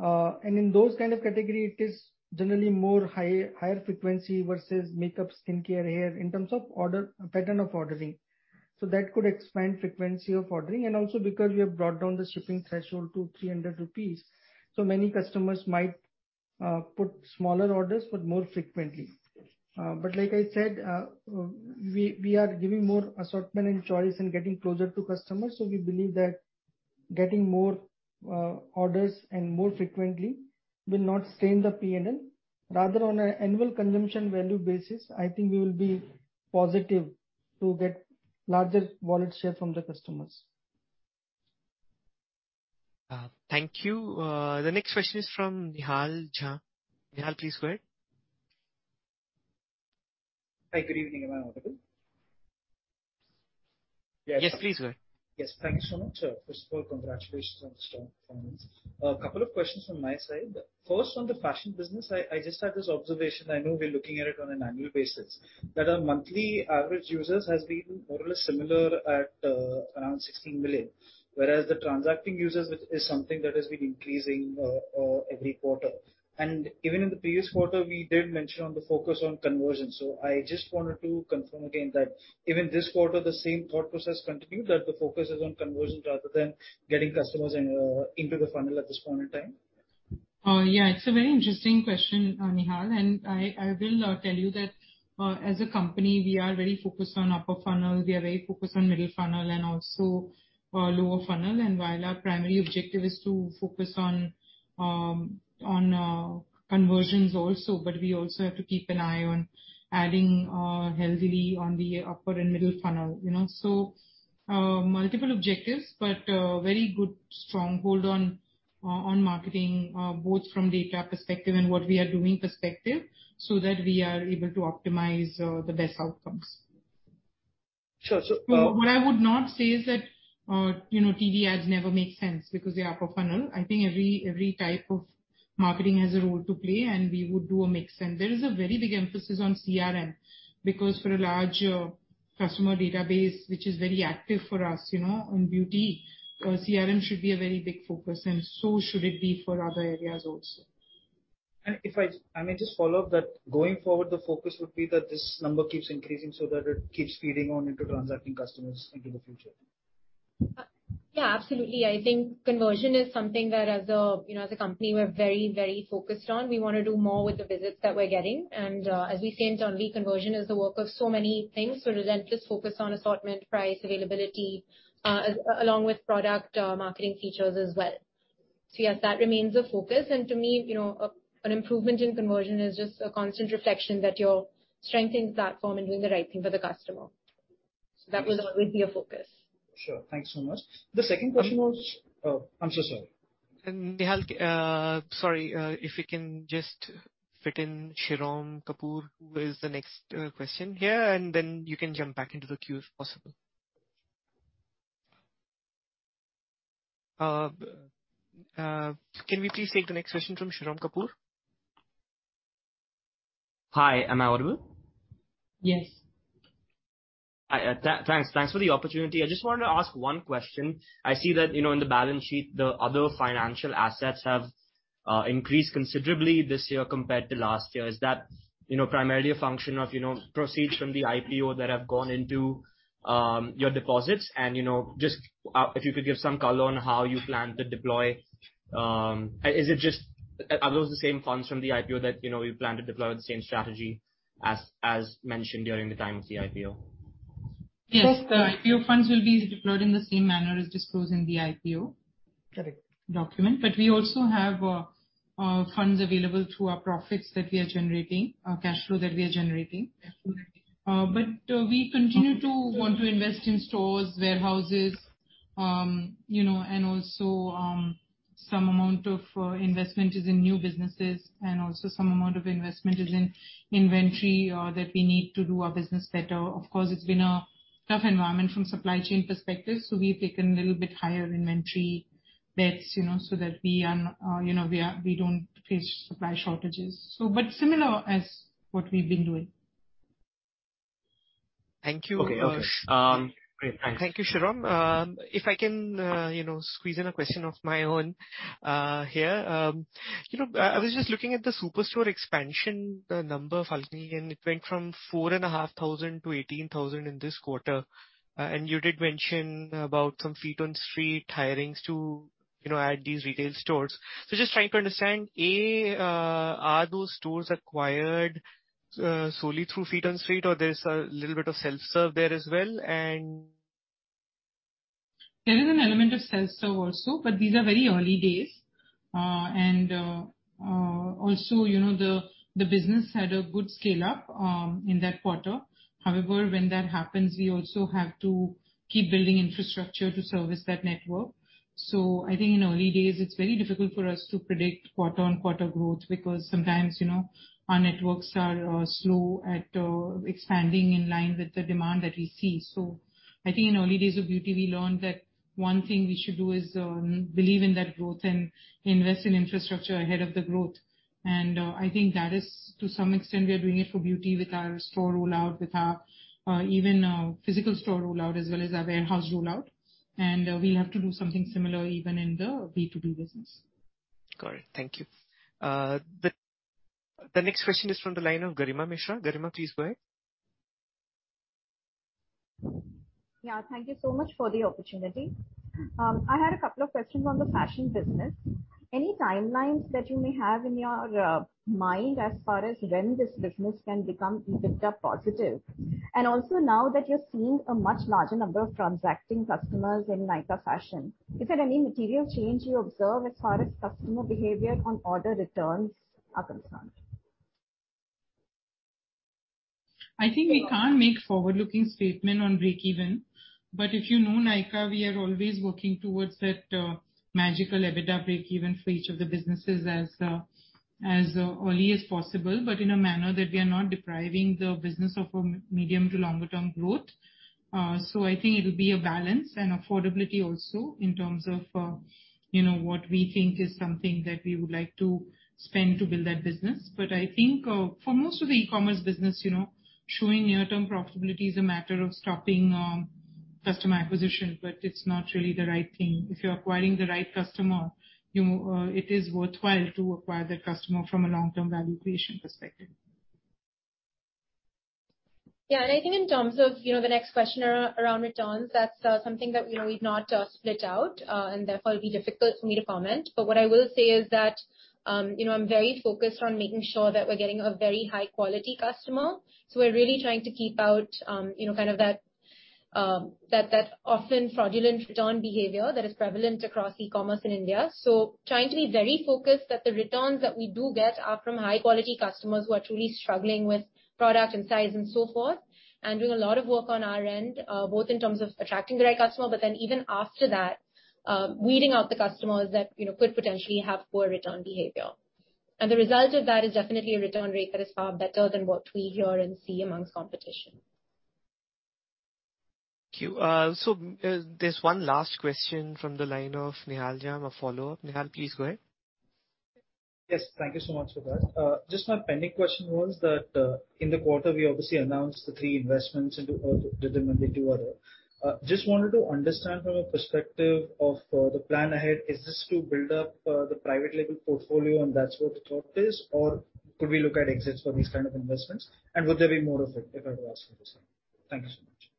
And in those kind of category it is generally higher frequency versus makeup, skincare, hair in terms of order, pattern of ordering. That could expand frequency of ordering. Also because we have brought down the shipping threshold to 300 rupees, so many customers might put smaller orders, but more frequently. Like I said, we are giving more assortment and choice and getting closer to customers, so we believe that getting more orders and more frequently will not strain the P&L. Rather on an annual consumption value basis, I think we will be positive to get larger wallet share from the customers. Thank you. The next question is from Nihal Jham. Nihal, please go ahead. Hi, good evening everyone. Yes, please go ahead. Yes, thank you so much. First of all, congratulations on the strong performance. A couple of questions from my side. First, on the fashion business, I just had this observation. I know we're looking at it on an annual basis, that our monthly average users has been more or less similar at around 16 million, whereas the transacting users is something that has been increasing every quarter. Even in the previous quarter we did mention on the focus on conversion. I just wanted to confirm again that even this quarter the same thought process continued, that the focus is on conversion rather than getting customers into the funnel at this point in time. Oh, yeah, it's a very interesting question, Nihal, and I will tell you that, as a company, we are very focused on upper funnel. We are very focused on middle funnel and also lower funnel. While our primary objective is to focus on conversions also, but we also have to keep an eye on adding healthily on the upper and middle funnel, you know. Multiple objectives, but very good stronghold on marketing, both from data perspective and what we are doing perspective, so that we are able to optimize the best outcomes. Sure. What I would not say is that, you know, TV ads never make sense because they're upper funnel. I think every type of marketing has a role to play, and we would do a mix. There is a very big emphasis on CRM because for a large customer database, which is very active for us, you know, in beauty, CRM should be a very big focus and so should it be for other areas also. I may just follow up that going forward, the focus would be that this number keeps increasing so that it keeps feeding on into transacting customers into the future. Yeah, absolutely. I think conversion is something that as a, you know, as a company, we're very, very focused on. We wanna do more with the visits that we're getting. As we say internally, conversion is the work of so many things. Relentless focus on assortment, price, availability, along with product, marketing features as well. Yes, that remains a focus. To me, you know, an improvement in conversion is just a constant reflection that you're strengthening the platform and doing the right thing for the customer. That will always be a focus. Sure. Thanks so much. Oh, I'm so sorry. Nihal, sorry, if we can just fit in Harit Kapoor, who is the next question here, and then you can jump back into the queue if possible. Can we please take the next question from Harit Kapoor? Hi, am I audible? Yes. Thanks for the opportunity. I just wanted to ask one question. I see that, you know, in the balance sheet, the other financial assets have increased considerably this year compared to last year. Is that, you know, primarily a function of, you know, proceeds from the IPO that have gone into your deposits? You know, just, if you could give some color on how you plan to deploy. Are those the same funds from the IPO that, you know, you plan to deploy the same strategy as mentioned during the time of the IPO? Yes. The IPO funds will be deployed in the same manner as disclosed in the IPO. Correct Document. We also have funds available through our profits that we are generating, cash flow that we are generating. Absolutely. We continue to want to invest in stores, warehouses, you know, and also, some amount of investment is in new businesses and also some amount of investment is in inventory that we need to do our business better. Of course, it's been a tough environment from supply chain perspective, so we've taken a little bit higher inventory bets, you know, so that we don't face supply shortages. Similar as what we've been doing. Thank you. Okay. Okay. Um. Great. Thanks. Thank you, Harit. If I can, you know, squeeze in a question of my own, here. You know, I was just looking at the Superstore expansion, the number of Mm-hmm. It went from 4,500 to 18,000 in this quarter. You did mention about some feet on the street hirings to, you know, add these retail stores. Just trying to understand, A, are those stores acquired solely through feet on the street, or there's a little bit of self-serve there as well? There is an element of self-serve also, but these are very early days. also, you know, the business had a good scale up in that quarter. However, when that happens, we also have to keep building infrastructure to service that network. I think in early days it's very difficult for us to predict quarter on quarter growth because sometimes, you know, our networks are slow at expanding in line with the demand that we see. I think in early days of beauty, we learned that one thing we should do is believe in that growth and invest in infrastructure ahead of the growth. I think that is to some extent we are doing it for beauty with our store rollout, with our even physical store rollout as well as our warehouse rollout. We'll have to do something similar even in the B2B business. Got it. Thank you. The next question is from the line of Garima Mishra. Garima, please go ahead. Yeah. Thank you so much for the opportunity. I had a couple of questions on the fashion business. Any timelines that you may have in your mind as far as when this business can become EBITDA positive? And also now that you're seeing a much larger number of transacting customers in Nykaa Fashion, is there any material change you observe as far as customer behavior on order returns are concerned? I think we can't make forward-looking statement on breakeven. If you know Nykaa, we are always working towards that, magical EBITDA breakeven for each of the businesses as early as possible, but in a manner that we are not depriving the business of a medium to longer term growth. I think it'll be a balance and affordability also in terms of, you know, what we think is something that we would like to spend to build that business. I think, for most of the e-commerce business, you know, showing near-term profitability is a matter of stopping, customer acquisition, but it's not really the right thing. If you're acquiring the right customer, you know, it is worthwhile to acquire that customer from a long-term value creation perspective. Yeah, I think in terms of, you know, the next question around returns, that's something that, you know, we've not split out, and therefore it'll be difficult for me to comment. What I will say is that, you know, I'm very focused on making sure that we're getting a very high quality customer. We're really trying to keep out, you know, kind of that often fraudulent return behavior that is prevalent across e-commerce in India. Trying to be very focused that the returns that we do get are from high quality customers who are truly struggling with product and size and so forth. Doing a lot of work on our end, both in terms of attracting the right customer, but then even after that, weeding out the customers that, you know, could potentially have poor return behavior. The result of that is definitely a return rate that is far better than what we hear and see among competition. Thank you. There's one last question from the line of Nihal Jham, a follow-up. Nihal, please go ahead. Yes. Thank you so much for that. Just my pending question was that, in the quarter we obviously announced the three investments into, did them in Q2. Just wanted to understand from a perspective of, the plan ahead, is this to build up, the private label portfolio and that's what the thought is? Or could we look at exits for these kind of investments? Would there be more of it, if I were to ask you the same? Thank you so much.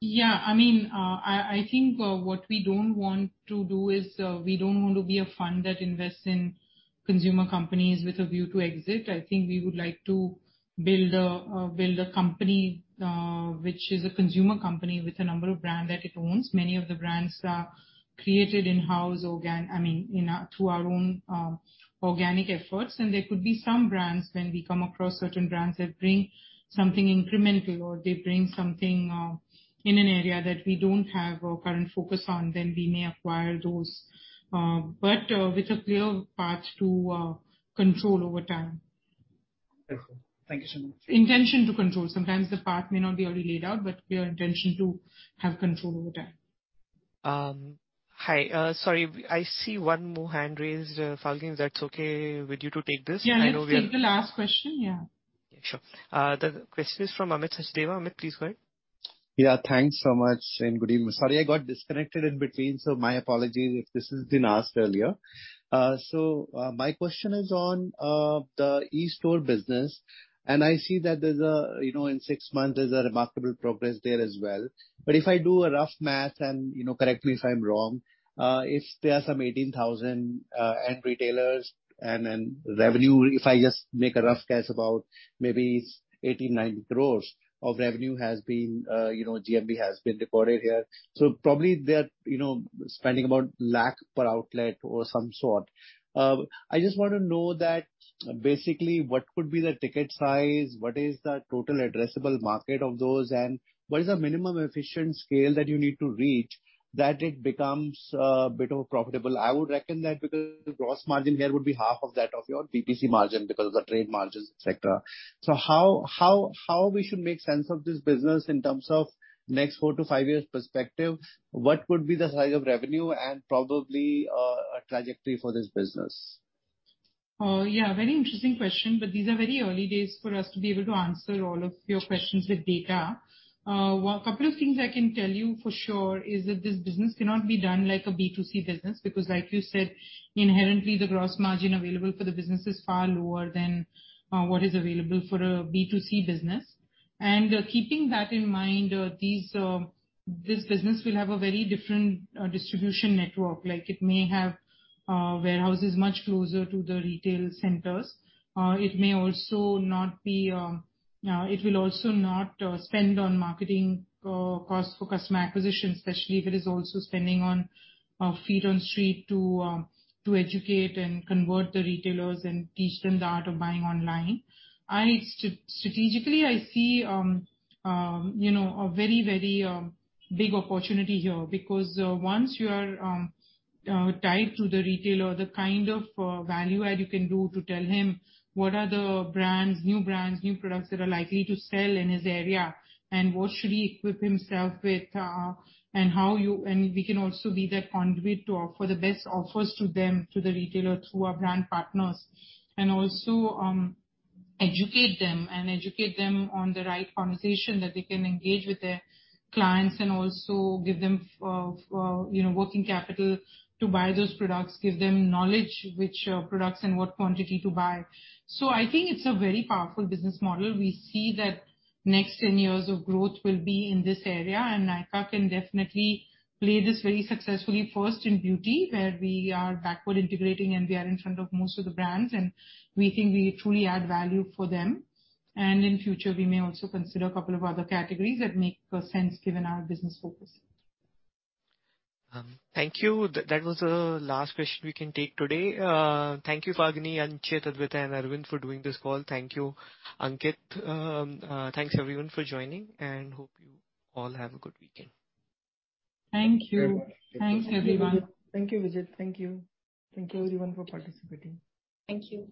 Yeah. I mean, I think what we don't want to do is we don't want to be a fund that invests in consumer companies with a view to exit. I think we would like to build a company which is a consumer company with a number of brands that it owns. Many of the brands are created in-house. I mean, you know, through our own organic efforts. There could be some brands, when we come across certain brands that bring something incremental or they bring something in an area that we don't have a current focus on, then we may acquire those. But with a clear path to control over time. Wonderful. Thank you so much. Intention to control. Sometimes the path may not be already laid out, but clear intention to have control over time. Hi. Sorry, I see one more hand raised, Falguni, if that's okay with you to take this. I know we Yeah, let's take the last question. Yeah. Yeah, sure. The question is from Amit Sachdeva. Amit, please go ahead. Thanks so much, and good evening. Sorry, I got disconnected in between, so my apologies if this has been asked earlier. My question is on the Superstore business. I see that you know in six months there's remarkable progress there as well. If I do a rough math, and you know correct me if I'm wrong, if there are some 18,000 end retailers and revenue, if I just make a rough guess about maybe 80-90 crores of revenue has been you know GMV has been reported here. Probably they're you know spending about 1 lakh per outlet or some sort. I just wanna know that basically what could be the ticket size? What is the total addressable market of those? What is the minimum efficient scale that you need to reach that it becomes a bit more profitable? I would reckon that because the gross margin here would be half of that of your B2C margin because of the trade margins, et cetera. How we should make sense of this business in terms of next four to five years perspective? What could be the size of revenue and probably a trajectory for this business? Yeah, very interesting question, but these are very early days for us to be able to answer all of your questions with data. A couple of things I can tell you for sure is that this business cannot be done like a B2C business, because like you said, inherently the gross margin available for the business is far lower than what is available for a B2C business. Keeping that in mind, this business will have a very different distribution network. Like, it may have warehouses much closer to the retail centers. It will also not spend on marketing costs for customer acquisition, especially if it is also spending on feet on street to educate and convert the retailers and teach them the art of buying online. I Strategically, I see, you know, a very big opportunity here because once you are tied to the retailer, the kind of value add you can do to tell him what are the brands, new brands, new products that are likely to sell in his area and what should he equip himself with, and we can also be that conduit for the best offers to them, to the retailer, through our brand partners. Also, educate them on the right conversation that they can engage with their clients and also give them, you know, working capital to buy those products, give them knowledge which products and what quantity to buy. I think it's a very powerful business model. We see that next 10 years of growth will be in this area, and Nykaa can definitely play this very successfully, first in beauty, where we are backward integrating and we are in front of most of the brands, and we think we truly add value for them. In future we may also consider a couple of other categories that make sense given our business focus. Thank you. That was the last question we can take today. Thank you, Falguni and Anchit, Adwaita and Arvind for doing this call. Thank you, Anchit. Thanks everyone for joining, and hope you all have a good weekend. Thank you. Very well. Thanks, everyone. Thank you. Thanks, everyone. Thank you, Vijit. Thank you. Thank you everyone for participating. Thank you.